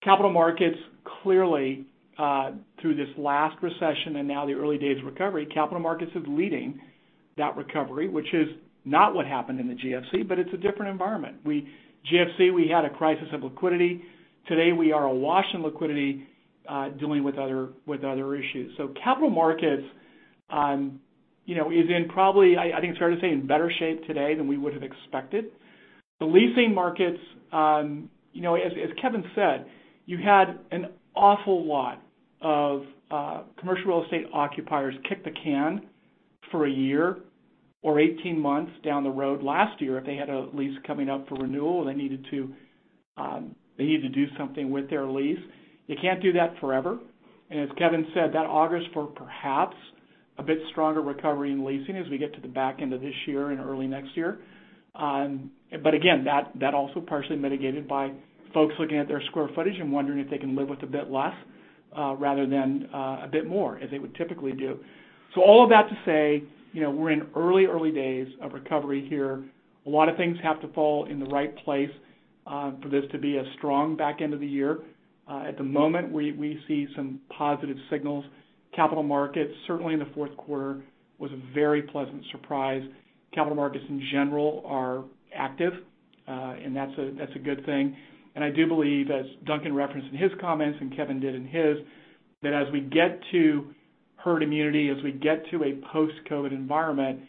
Capital markets, clearly, through this last recession and now the early days of recovery, capital markets is leading that recovery, which is not what happened in the GFC, but it's a different environment. GFC, we had a crisis of liquidity. Today, we are awash in liquidity dealing with other issues. Capital markets is in probably, I think it's fair to say, in better shape today than we would have expected. The leasing markets, as Kevin said, you had an awful lot of commercial real estate occupiers kick the can for a year or 18 months down the road last year if they had a lease coming up for renewal, and they needed to do something with their lease. You can't do that forever. As Kevin said, that augurs for perhaps a bit stronger recovery in leasing as we get to the back end of this year and early next year. Again, that also partially mitigated by folks looking at their square footage and wondering if they can live with a bit less, rather than a bit more as they would typically do. All of that to say, we're in early days of recovery here. A lot of things have to fall in the right place for this to be a strong back end of the year. At the moment, we see some positive signals. Capital markets, certainly in the fourth quarter, was a very pleasant surprise. Capital markets in general are active, and that's a good thing. I do believe, as Duncan referenced in his comments and Kevin did in his, that as we get to herd immunity, as we get to a post-COVID environment,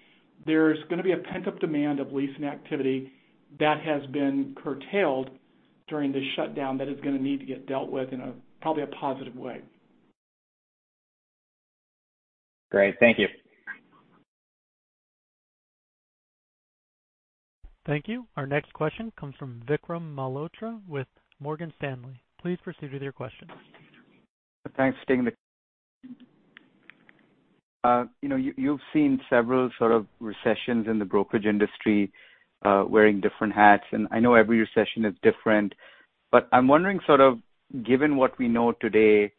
there's going to be a pent-up demand of leasing activity that has been curtailed during this shutdown that is going to need to get dealt with in a probably a positive way. Great. Thank you. Thank you. Our next question comes from Vikram Malhotra with Morgan Stanley. Please proceed with your question. Thanks for taking the question. You've seen several sort of recessions in the brokerage industry, wearing different hats. I know every recession is different. I'm wondering sort of, given what we know today,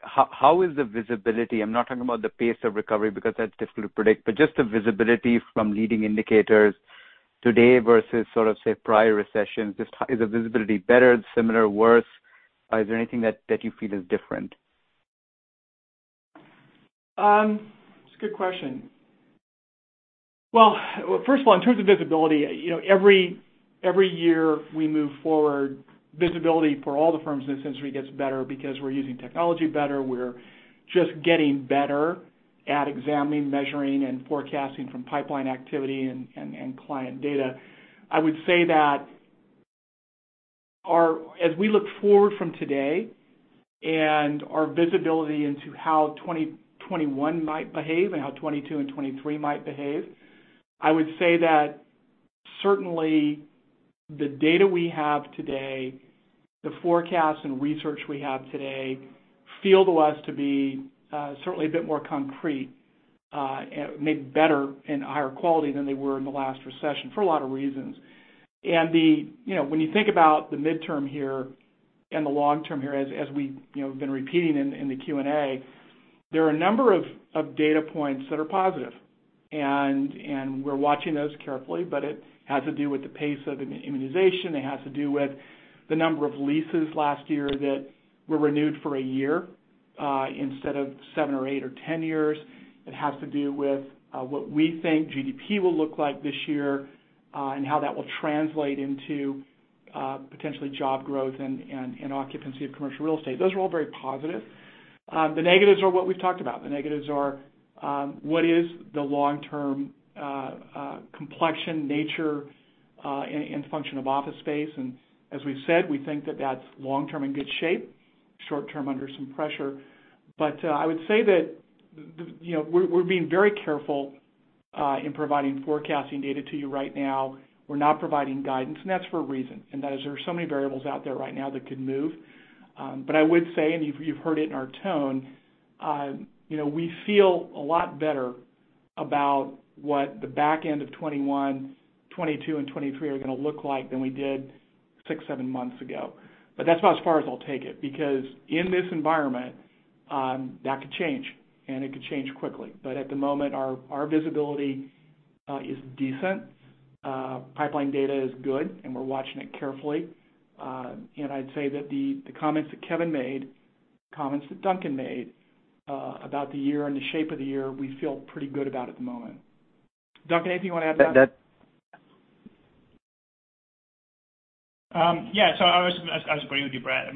how is the visibility? I'm not talking about the pace of recovery because that's difficult to predict, just the visibility from leading indicators today versus sort of, say, prior recessions. Is the visibility better, similar, worse? Is there anything that you feel is different? It's a good question. Well, first of all, in terms of visibility, every year we move forward, visibility for all the firms in this industry gets better because we're using technology better. We're just getting better at examining, measuring, and forecasting from pipeline activity and client data. I would say that, as we look forward from today and our visibility into how 2021 might behave and how 2022 and 2023 might behave, I would say that, certainly the data we have today, the forecasts and research we have today feel to us to be certainly a bit more concrete, maybe better and higher quality than they were in the last recession for a lot of reasons. When you think about the midterm here and the long term here, as we've been repeating in the Q&A, there are a number of data points that are positive, and we're watching those carefully. It has to do with the pace of immunization. It has to do with the number of leases last year that were renewed for a year instead of seven or eight or 10 years. It has to do with what we think GDP will look like this year and how that will translate into potentially job growth and occupancy of commercial real estate. Those are all very positive. The negatives are what we've talked about. The negatives are what is the long-term complexion, nature, and function of office space. As we've said, we think that that's long-term in good shape, short-term under some pressure. I would say that we're being very careful in providing forecasting data to you right now. We're not providing guidance, and that's for a reason, and that is there are so many variables out there right now that could move. I would say, and you've heard it in our tone, we feel a lot better about what the back end of 2021, 2022, and 2023 are going to look like than we did six, seven months ago. That's about as far as I'll take it, because in this environment, that could change, and it could change quickly. At the moment, our visibility is decent. Pipeline data is good, and we're watching it carefully. I'd say that the comments that Kevin made, comments that Duncan made about the year and the shape of the year, we feel pretty good about at the moment. Duncan, anything you want to add to that? I was agreeing with you, Brett.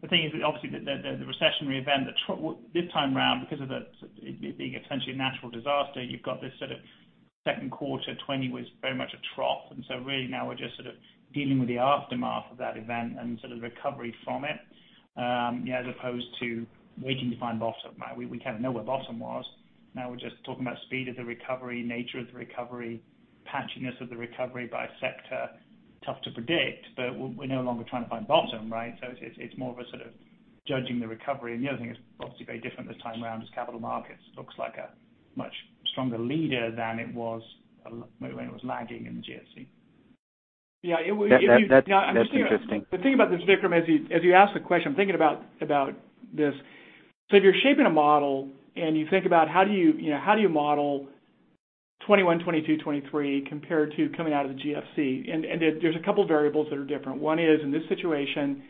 The thing is obviously the recessionary event this time around, because of it being essentially a natural disaster, you've got this sort of second quarter 2020 was very much a trough. Really now we're just sort of dealing with the aftermath of that event and sort of recovery from it, as opposed to waiting to find bottom. We kind of know where bottom was. Now we're just talking about speed of the recovery, nature of the recovery, patchiness of the recovery by sector. Tough to predict, but we're no longer trying to find bottom, right? It's more of a sort of judging the recovery. The other thing that's obviously very different this time around is capital markets. Looks like a much stronger leader than it was when it was lagging in the GFC. Yeah. That's interesting. The thing about this, Vikram, as you ask the question, I'm thinking about this. If you're shaping a model and you think about how do you model 2021, 2022, 2023 compared to coming out of the GFC, and there's a couple variables that are different. One is, in this situation,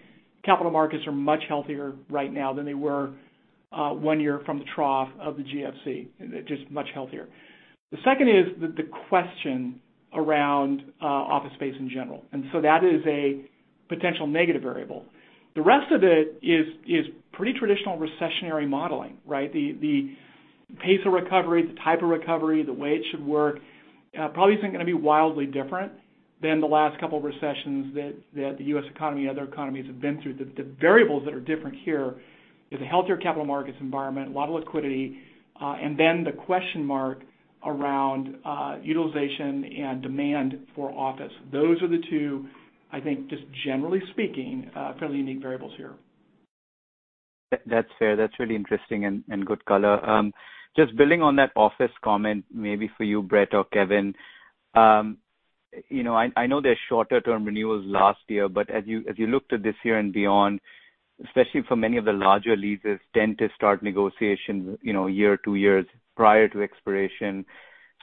capital markets are much healthier right now than they were one year from the trough of the GFC. Just much healthier. The second is the question around office space in general, and so that is a potential negative variable. The rest of it is pretty traditional recessionary modeling, right? The pace of recovery, the type of recovery, the way it should work probably isn't going to be wildly different than the last couple of recessions that the U.S. economy and other economies have been through. The variables that are different here is a healthier capital markets environment, a lot of liquidity, and then the question mark around utilization and demand for office. Those are the two, I think, just generally speaking, fairly unique variables here. That's fair. That's really interesting and good color. Just building on that office comment, maybe for you, Brett or Kevin. I know there's shorter-term renewals last year, but as you looked at this year and beyond, especially for many of the larger leases, tend to start negotiations a year or two years prior to expiration.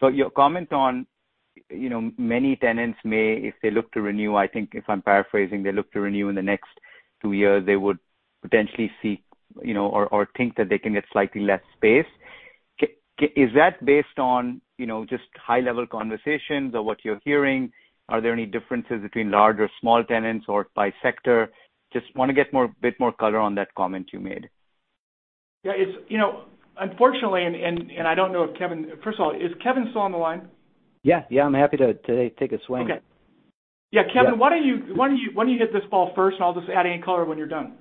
Your comment on many tenants may, if they look to renew, I think if I'm paraphrasing, they look to renew in the next two years, they would potentially seek or think that they can get slightly less space. Is that based on just high-level conversations or what you're hearing? Are there any differences between large or small tenants or by sector? Just want to get a bit more color on that comment you made. Yeah. Unfortunately, First of all, is Kevin still on the line? Yeah. I'm happy to take a swing at it. Okay. Yeah, Kevin, why don't you hit this ball first, and I'll just add any color when you're done.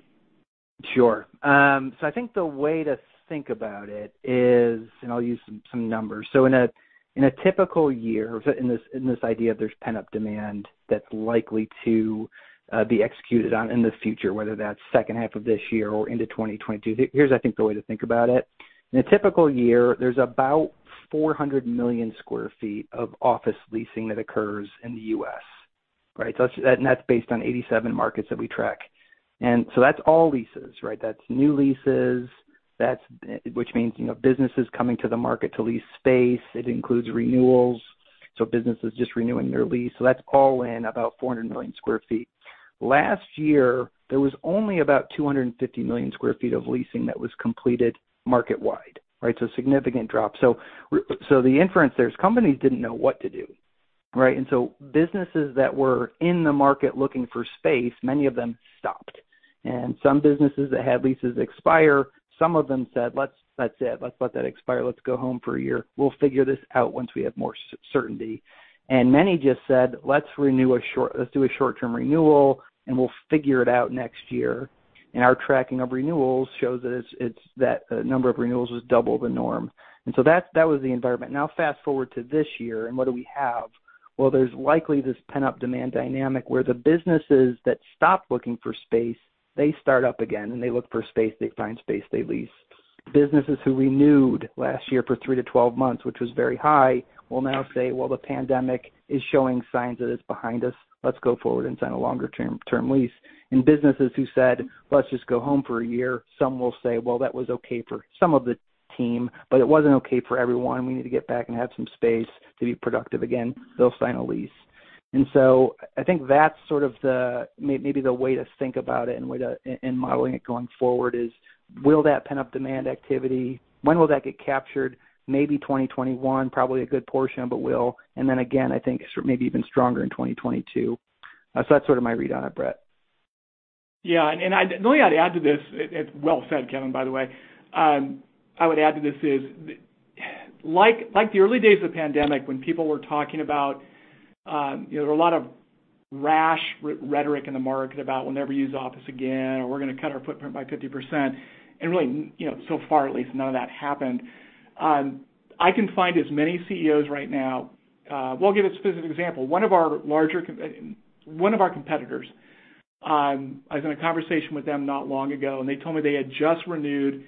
Sure. I think the way to think about it is, and I'll use some numbers. In a typical year, in this idea of there's pent-up demand that's likely to be executed on in the future, whether that's second half of this year or into 2022. Here's, I think, the way to think about it. In a typical year, there's about 400 million square feet of office leasing that occurs in the U.S., right? That's based on 87 markets that we track. That's all leases, right? That's new leases, which means businesses coming to the market to lease space. It includes renewals. Businesses just renewing their lease. That's all in about 400 million square feet. Last year, there was only about 250 million square feet of leasing that was completed market-wide. Right? A significant drop. The inference there is companies didn't know what to do, right? Businesses that were in the market looking for space, many of them stopped. Some businesses that had leases expire, some of them said, "That's it. Let's let that expire. Let's go home for a year. We'll figure this out once we have more certainty." Many just said, "Let's do a short-term renewal, and we'll figure it out next year." Our tracking of renewals shows that the number of renewals was double the norm. That was the environment. Now fast-forward to this year, what do we have? Well, there's likely this pent-up demand dynamic where the businesses that stopped looking for space, they start up again, and they look for space. They find space, they lease. Businesses who renewed last year for 3-12 months, which was very high, will now say, "Well, the pandemic is showing signs that it's behind us. Let's go forward and sign a longer-term lease." Businesses who said, "Let's just go home for a year," some will say, "Well, that was okay for some of the team, but it wasn't okay for everyone. We need to get back and have some space to be productive again." They'll sign a lease. I think that's sort of maybe the way to think about it and modeling it going forward is, will that pent-up demand activity, when will that get captured? Maybe 2021, probably a good portion of it will. Again, I think maybe even stronger in 2022. That's sort of my read on it, Brett. Yeah. The only thing I'd add to this, it's well said, Kevin, by the way. I would add to this is, like the early days of the pandemic, when people were talking about, there were a lot of rash rhetoric in the market about we'll never use office again, or we're going to cut our footprint by 50%. Really, so far at least, none of that happened. I can find as many CEOs right now. Well, I'll give a specific example. One of our competitors, I was in a conversation with them not long ago, and they told me they had just renewed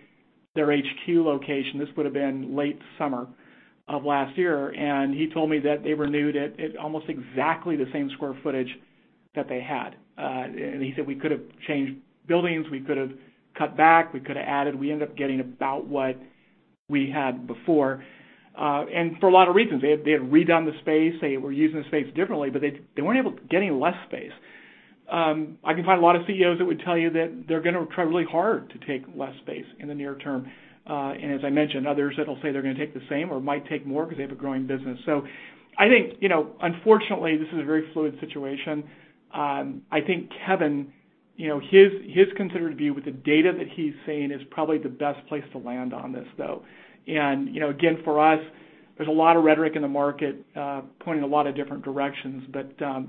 their HQ location. This would've been late summer of last year. He told me that they renewed it almost exactly the same square footage that they had. He said, "We could've changed buildings, we could've cut back, we could've added. We ended up getting about what we had before. For a lot of reasons. They had redone the space. They were using the space differently, but they weren't able to get any less space. I can find a lot of CEOs that would tell you that they're going to try really hard to take less space in the near term. As I mentioned, others that'll say they're going to take the same or might take more because they have a growing business. I think, unfortunately, this is a very fluid situation. I think Kevin, his considered view with the data that he's seeing is probably the best place to land on this, though. Again, for us, there's a lot of rhetoric in the market pointing a lot of different directions.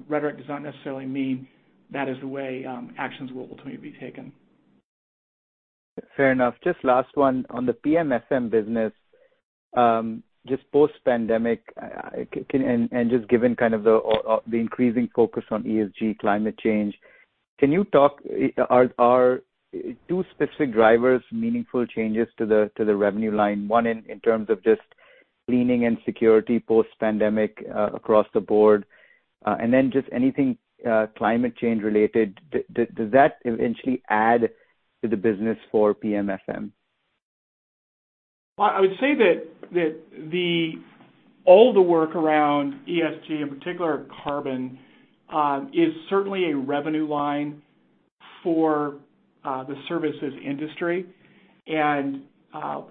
Rhetoric does not necessarily mean that is the way actions will ultimately be taken. Fair enough. Just last one on the PM/FM business, just post pandemic, and just given kind of the increasing focus on ESG climate change, are two specific drivers meaningful changes to the revenue line, one in terms of just cleaning and security post pandemic across the board? Then just anything climate change related, does that eventually add to the business for PM/FM? Well, I would say that all the work around ESG, in particular carbon, is certainly a revenue line for the services industry.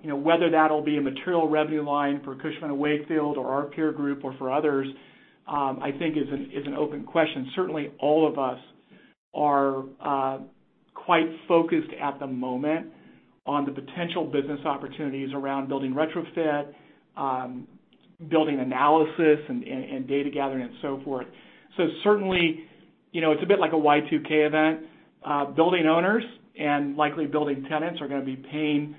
Whether that'll be a material revenue line for Cushman & Wakefield or our peer group or for others, I think is an open question. Certainly, all of us are quite focused at the moment on the potential business opportunities around building retrofit, building analysis, and data gathering and so forth. Certainly, it's a bit like a Y2K event. Building owners and likely building tenants are going to be paying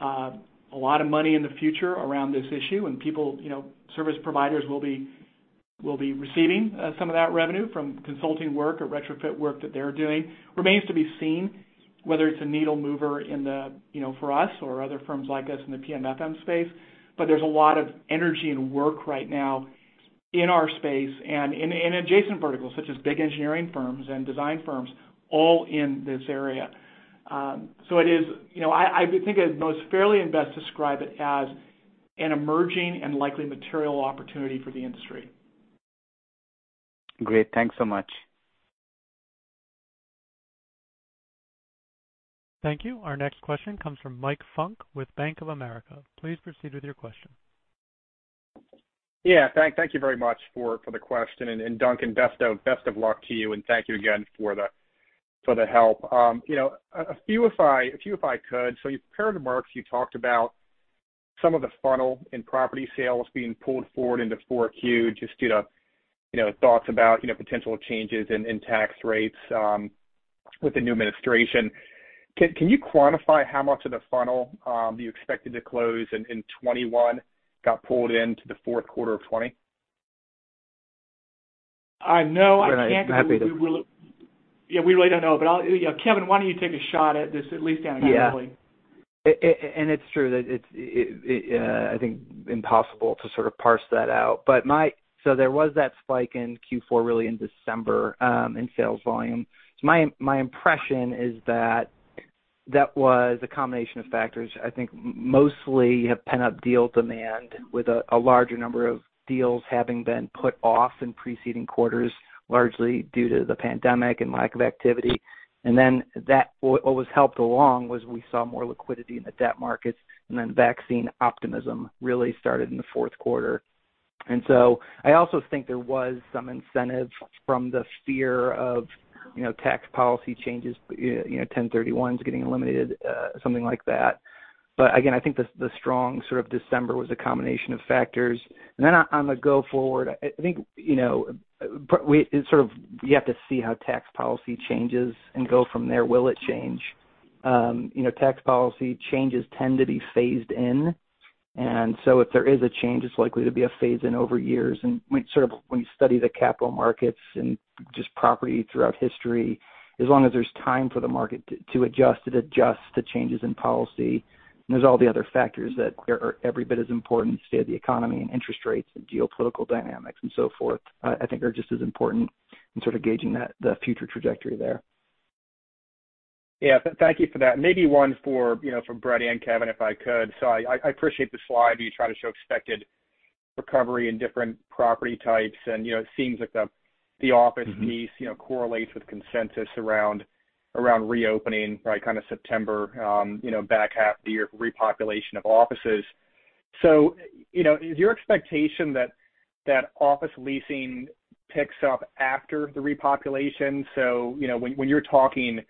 a lot of money in the future around this issue. Service providers will be receiving some of that revenue from consulting work or retrofit work that they're doing. Remains to be seen whether it's a needle mover for us or other firms like us in the PM/FM space. There's a lot of energy and work right now in our space and in adjacent verticals, such as big engineering firms and design firms, all in this area. I think I'd most fairly and best describe it as an emerging and likely material opportunity for the industry. Great. Thanks so much. Thank you. Our next question comes from Mike Funk with Bank of America. Please proceed with your question. Yeah. Thank you very much for the question. Duncan, best of luck to you, and thank you again for the help. A few, if I could. You compared remarks, you talked about some of the funnel in property sales being pulled forward into 4Q, just due to thoughts about potential changes in tax rates with the new administration. Can you quantify how much of the funnel that you expected to close in 2021 got pulled into the fourth quarter of 2020? No, I can't- I'm happy to- Yeah, we really don't know. Kevin, why don't you take a shot at this, at least anecdotally? Yeah. It's true that it's, I think, impossible to sort of parse that out. There was that spike in Q4, really in December, in sales volume. My impression is that that was a combination of factors. I think mostly you have pent-up deal demand with a larger number of deals having been put off in preceding quarters, largely due to the pandemic and lack of activity. What was helped along was we saw more liquidity in the debt markets, and then vaccine optimism really started in the fourth quarter. I also think there was some incentive from the fear of tax policy changes, 1031s getting eliminated, something like that. Again, I think the strong December was a combination of factors. On the go forward, I think you have to see how tax policy changes and go from there. Will it change? Tax policy changes tend to be phased in, and so if there is a change, it's likely to be a phase in over years. When you study the capital markets and just property throughout history, as long as there's time for the market to adjust, it adjusts to changes in policy. There's all the other factors that are every bit as important, state of the economy and interest rates and geopolitical dynamics and so forth, I think are just as important in gauging the future trajectory there. Yeah. Thank you for that. Maybe one for Brett and Kevin, if I could. I appreciate the slide that you try to show expected recovery in different property types, and it seems like the office lease correlates with consensus around reopening, probably September, back half the year repopulation of offices. Is your expectation that office leasing picks up after the repopulation? When you're talking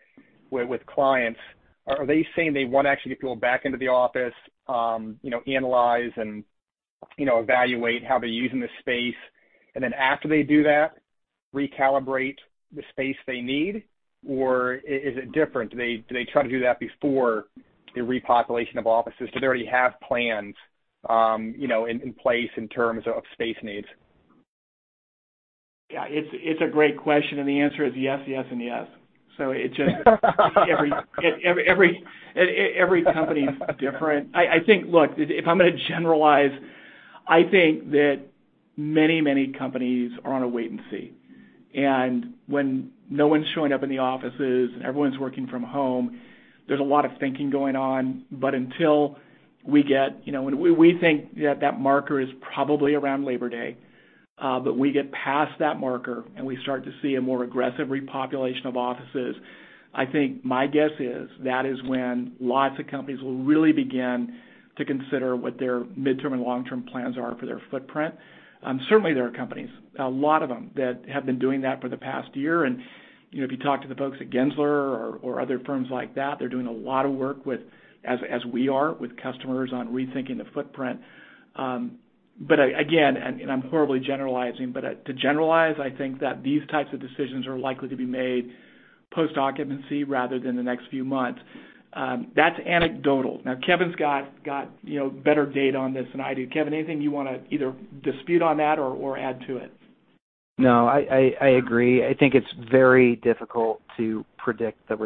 with clients, are they saying they want to actually get people back into the office, analyze and evaluate how they're using the space, and then after they do that, recalibrate the space they need? Or is it different? Do they try to do that before the repopulation of offices? Do they already have plans in place in terms of space needs? It's a great question. The answer is yes, and yes. Every company is different. I think, look, if I'm going to generalize, I think that many companies are on a wait and see. When no one's showing up in the offices and everyone's working from home, there's a lot of thinking going on. We think that that marker is probably around Labor Day. We get past that marker and we start to see a more aggressive repopulation of offices, I think my guess is that is when lots of companies will really begin to consider what their midterm and long-term plans are for their footprint. Certainly there are companies, a lot of them, that have been doing that for the past year. If you talk to the folks at Gensler or other firms like that, they're doing a lot of work, as we are, with customers on rethinking the footprint. Again, and I'm horribly generalizing, to generalize, I think that these types of decisions are likely to be made post-occupancy rather than the next few months. That's anecdotal. Kevin's got better data on this than I do. Kevin, anything you want to either dispute on that or add to it? No, I agree. I think it's very difficult to predict the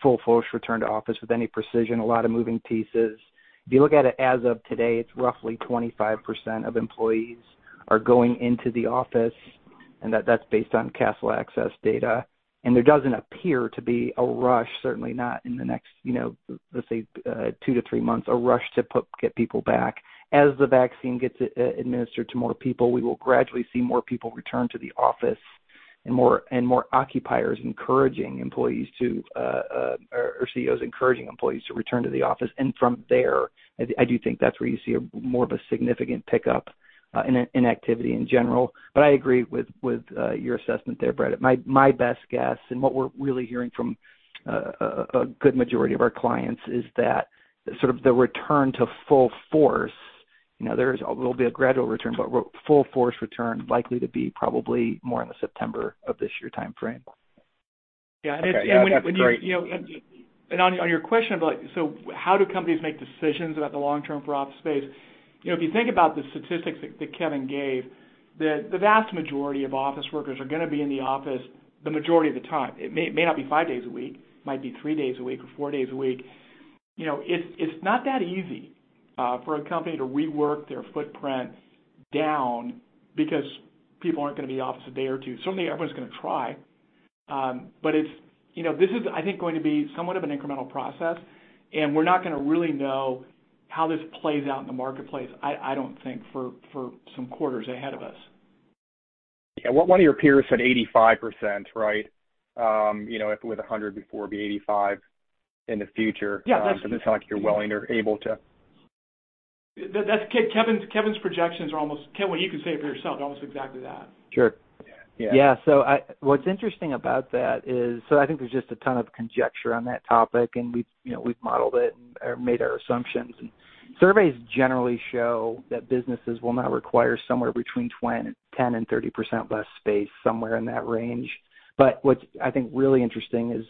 full-force return to office with any precision. A lot of moving pieces. If you look at it as of today, it's roughly 25% of employees are going into the office, and that's based on Kastle Access data. There doesn't appear to be a rush, certainly not in the next, let's say, two to three months, a rush to get people back. As the vaccine gets administered to more people, we will gradually see more people return to the office and more CEOs encouraging employees to return to the office. From there, I do think that's where you see more of a significant pickup in activity in general. I agree with your assessment there, Brett. My best guess and what we're really hearing from a good majority of our clients is that the return to full force, there's a little bit of gradual return, but full force return likely to be probably more in the September of this year timeframe. Okay. That's great. On your question about how do companies make decisions about the long-term for office space, if you think about the statistics that Kevin gave, that the vast majority of office workers are going to be in the office the majority of the time. It may not be five days a week, it might be three days a week or four days a week. It's not that easy for a company to rework their footprint down because people aren't going to be in the office a day or two. Certainly, everyone's going to try. This is, I think, going to be somewhat of an incremental process, and we're not going to really know how this plays out in the marketplace, I don't think, for some quarters ahead of us. Yeah. One of your peers said 85%, right? If it were 100% before, it'd be 85% in the future. Yeah. Does it sound like you're willing or able to Kevin's projections are almost Kevin, well, you can say it for yourself. They're almost exactly that. Sure. Yeah. What's interesting about that is, I think there's just a ton of conjecture on that topic, and we've modeled it and made our assumptions. Surveys generally show that businesses will now require somewhere between 10% and 30% less space, somewhere in that range. What's, I think, really interesting is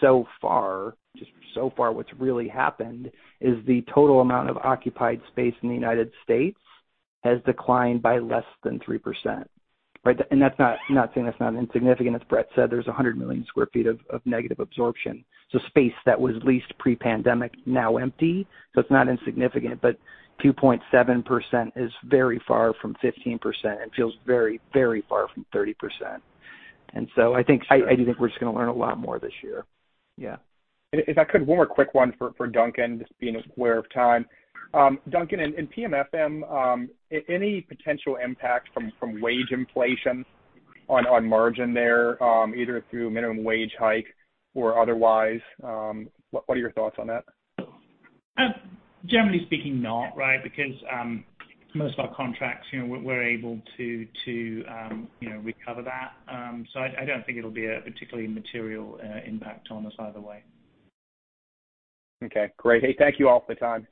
so far, just so far what's really happened is the total amount of occupied space in the United States has declined by less than 3%. Right? I'm not saying that's not insignificant. As Brett said, there's 100 million square feet of negative absorption. Space that was leased pre-pandemic, now empty. It's not insignificant, but 2.7% is very far from 15% and feels very far from 30%. I do think we're just going to learn a lot more this year. Yeah. If I could, one more quick one for Duncan, just being aware of time. Duncan, in PM/FM, any potential impact from wage inflation on margin there, either through minimum wage hike or otherwise? What are your thoughts on that? Generally speaking, not, right? Most of our contracts, we're able to recover that. I don't think it'll be a particularly material impact on us either way. Okay, great. Hey, thank you all for the time.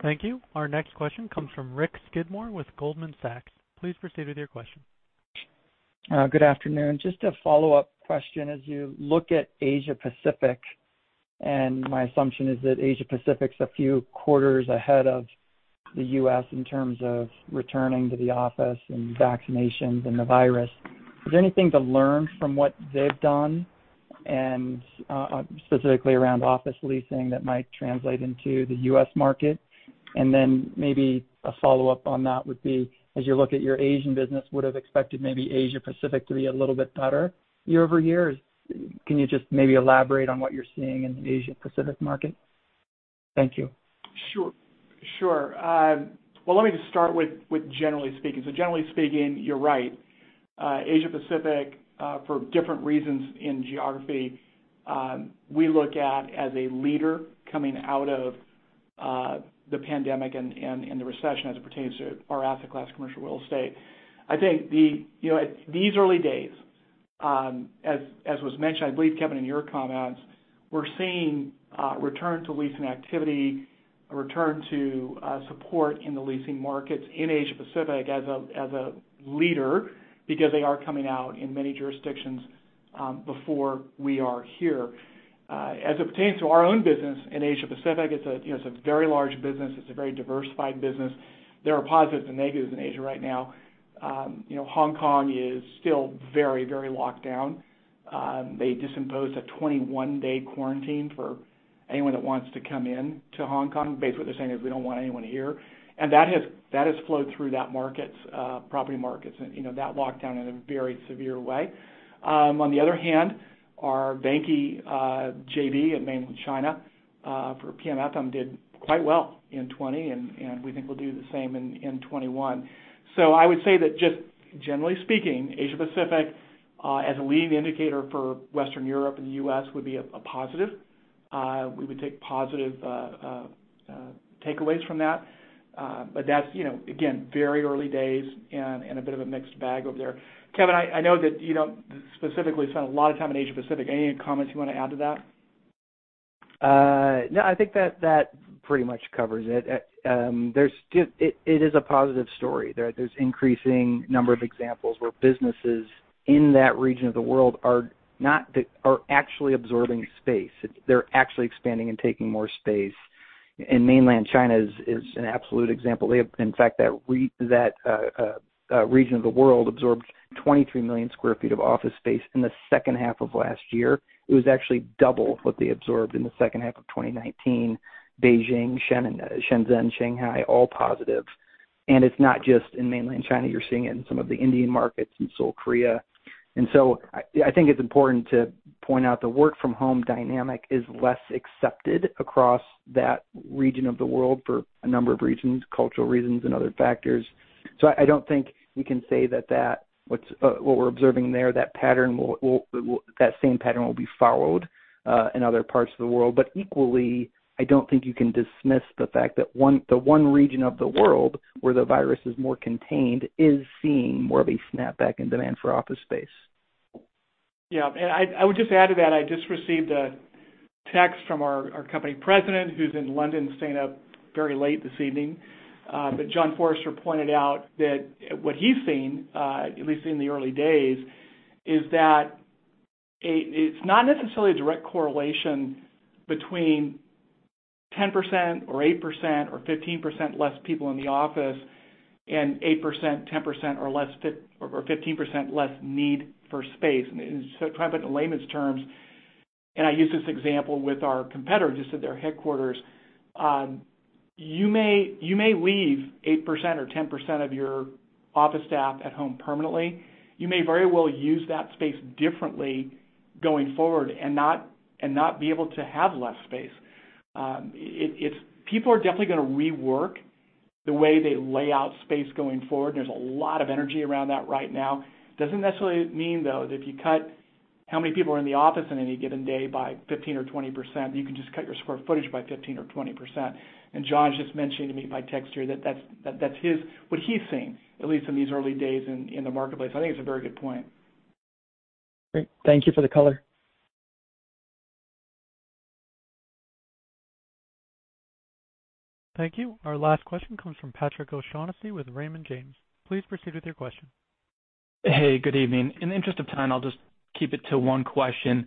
Thank you. Our next question comes from Rick Skidmore with Goldman Sachs. Please proceed with your question. Good afternoon. Just a follow-up question. As you look at Asia Pacific, and my assumption is that Asia Pacific's a few quarters ahead of the U.S. in terms of returning to the office and vaccinations and the virus, is there anything to learn from what they've done, and specifically around office leasing that might translate into the U.S. market? Then maybe a follow-up on that would be, as you look at your Asian business, would've expected maybe Asia Pacific to be a little bit better year-over-year? Can you just maybe elaborate on what you're seeing in the Asia Pacific market? Thank you. Sure. Well, let me just start with generally speaking. Generally speaking, you're right. Asia Pacific, for different reasons in geography, we look at as a leader coming out of the pandemic and the recession as it pertains to our asset class, commercial real estate. I think these early days, as was mentioned, I believe, Kevin, in your comments, we're seeing a return to leasing activity, a return to support in the leasing markets in Asia Pacific as a leader because they are coming out in many jurisdictions before we are here. As it pertains to our own business in Asia Pacific, it's a very large business. It's a very diversified business. There are positives and negatives in Asia right now. Hong Kong is still very locked down. They just imposed a 21-day quarantine for anyone that wants to come in to Hong Kong. Basically, what they're saying is, "We don't want anyone here." That has flowed through that property markets and that lockdown in a very severe way. On the other hand, our Vanke JV in Mainland China for PM/FM did quite well in 2020, and we think will do the same in 2021. I would say that just generally speaking, Asia Pacific, as a leading indicator for Western Europe and the U.S., would be a positive. We would take positive takeaways from that. That's, again, very early days and a bit of a mixed bag over there. Kevin, I know that you don't specifically spend a lot of time in Asia Pacific. Any comments you want to add to that? No, I think that pretty much covers it. It is a positive story. There's increasing number of examples where businesses in that region of the world are actually absorbing space. They're actually expanding and taking more space. Mainland China is an absolute example. In fact, that region of the world absorbed 23 million square feet of office space in the second half of last year. It was actually double what they absorbed in the second half of 2019. Beijing, Shenzhen, Shanghai, all positive. It's not just in Mainland China. You're seeing it in some of the Indian markets, in Seoul, Korea. I think it's important to point out the work from home dynamic is less accepted across that region of the world for a number of reasons, cultural reasons, and other factors. I don't think we can say that what we're observing there, that same pattern will be followed in other parts of the world. Equally, I don't think you can dismiss the fact that the one region of the world where the virus is more contained is seeing more of a snapback in demand for office space. Yeah. I would just add to that, I just received a text from our company president, who's in London staying up very late this evening. John Forrester pointed out that what he's seen, at least in the early days, is that it's not necessarily a direct correlation between 10% or 8% or 15% less people in the office and 8%, 10%, or 15% less need for space. Try to put in layman's terms, and I use this example with our competitors at their headquarters, you may leave 8% or 10% of your office staff at home permanently. You may very well use that space differently going forward and not be able to have less space. People are definitely going to rework the way they lay out space going forward, and there's a lot of energy around that right now. Doesn't necessarily mean, though, that if you cut how many people are in the office on any given day by 15% or 20%, you can just cut your square footage by 15% or 20%. John's just mentioning to me by text here that that's what he's seeing, at least in these early days in the marketplace. I think it's a very good point. Great. Thank you for the color. Thank you. Our last question comes from Patrick O'Shaughnessy with Raymond James. Please proceed with your question. Hey, good evening. In the interest of time, I'll just keep it to one question.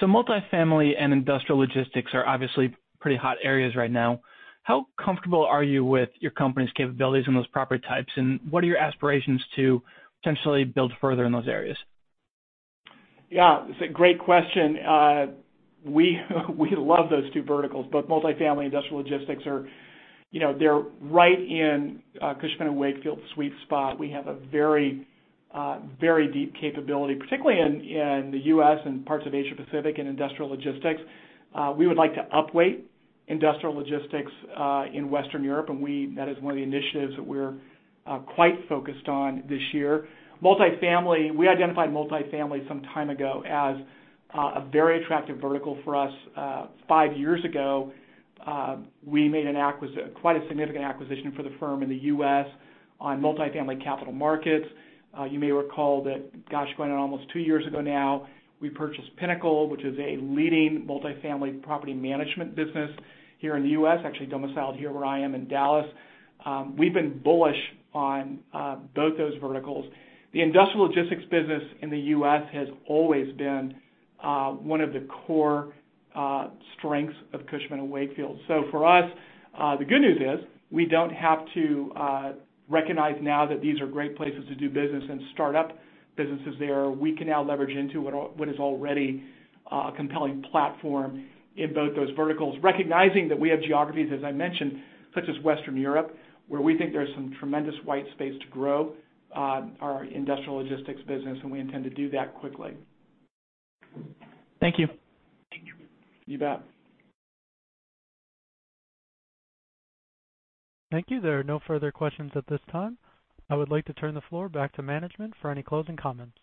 Multifamily and industrial logistics are obviously pretty hot areas right now. How comfortable are you with your company's capabilities in those property types, and what are your aspirations to potentially build further in those areas? Yeah. It's a great question. We love those two verticals, both multifamily and industrial logistics are right in Cushman & Wakefield's sweet spot. We have a very deep capability, particularly in the U.S. and parts of Asia Pacific in industrial logistics. We would like to upweight industrial logistics in Western Europe. That is one of the initiatives that we're quite focused on this year. Multifamily, we identified multifamily some time ago as a very attractive vertical for us. Five years ago, we made quite a significant acquisition for the firm in the U.S. on multifamily capital markets. You may recall that, gosh, going on almost two years ago now, we purchased Pinnacle, which is a leading multifamily property management business here in the U.S., actually domiciled here where I am in Dallas. We've been bullish on both those verticals. The industrial logistics business in the U.S. has always been one of the core strengths of Cushman & Wakefield. For us, the good news is we don't have to recognize now that these are great places to do business and start up businesses there. We can now leverage into what is already a compelling platform in both those verticals, recognizing that we have geographies, as I mentioned, such as Western Europe, where we think there's some tremendous white space to grow our industrial logistics business, and we intend to do that quickly. Thank you. You bet. Thank you. There are no further questions at this time. I would like to turn the floor back to management for any closing comments.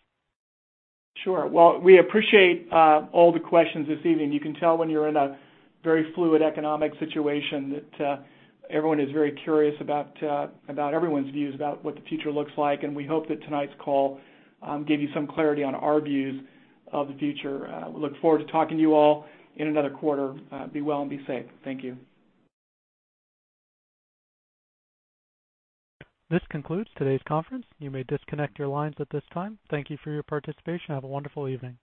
Sure. Well, we appreciate all the questions this evening. You can tell when you're in a very fluid economic situation that everyone is very curious about everyone's views about what the future looks like, and we hope that tonight's call gave you some clarity on our views of the future. We look forward to talking to you all in another quarter. Be well and be safe. Thank you. This concludes today's conference. You may disconnect your lines at this time. Thank you for your participation. Have a wonderful evening.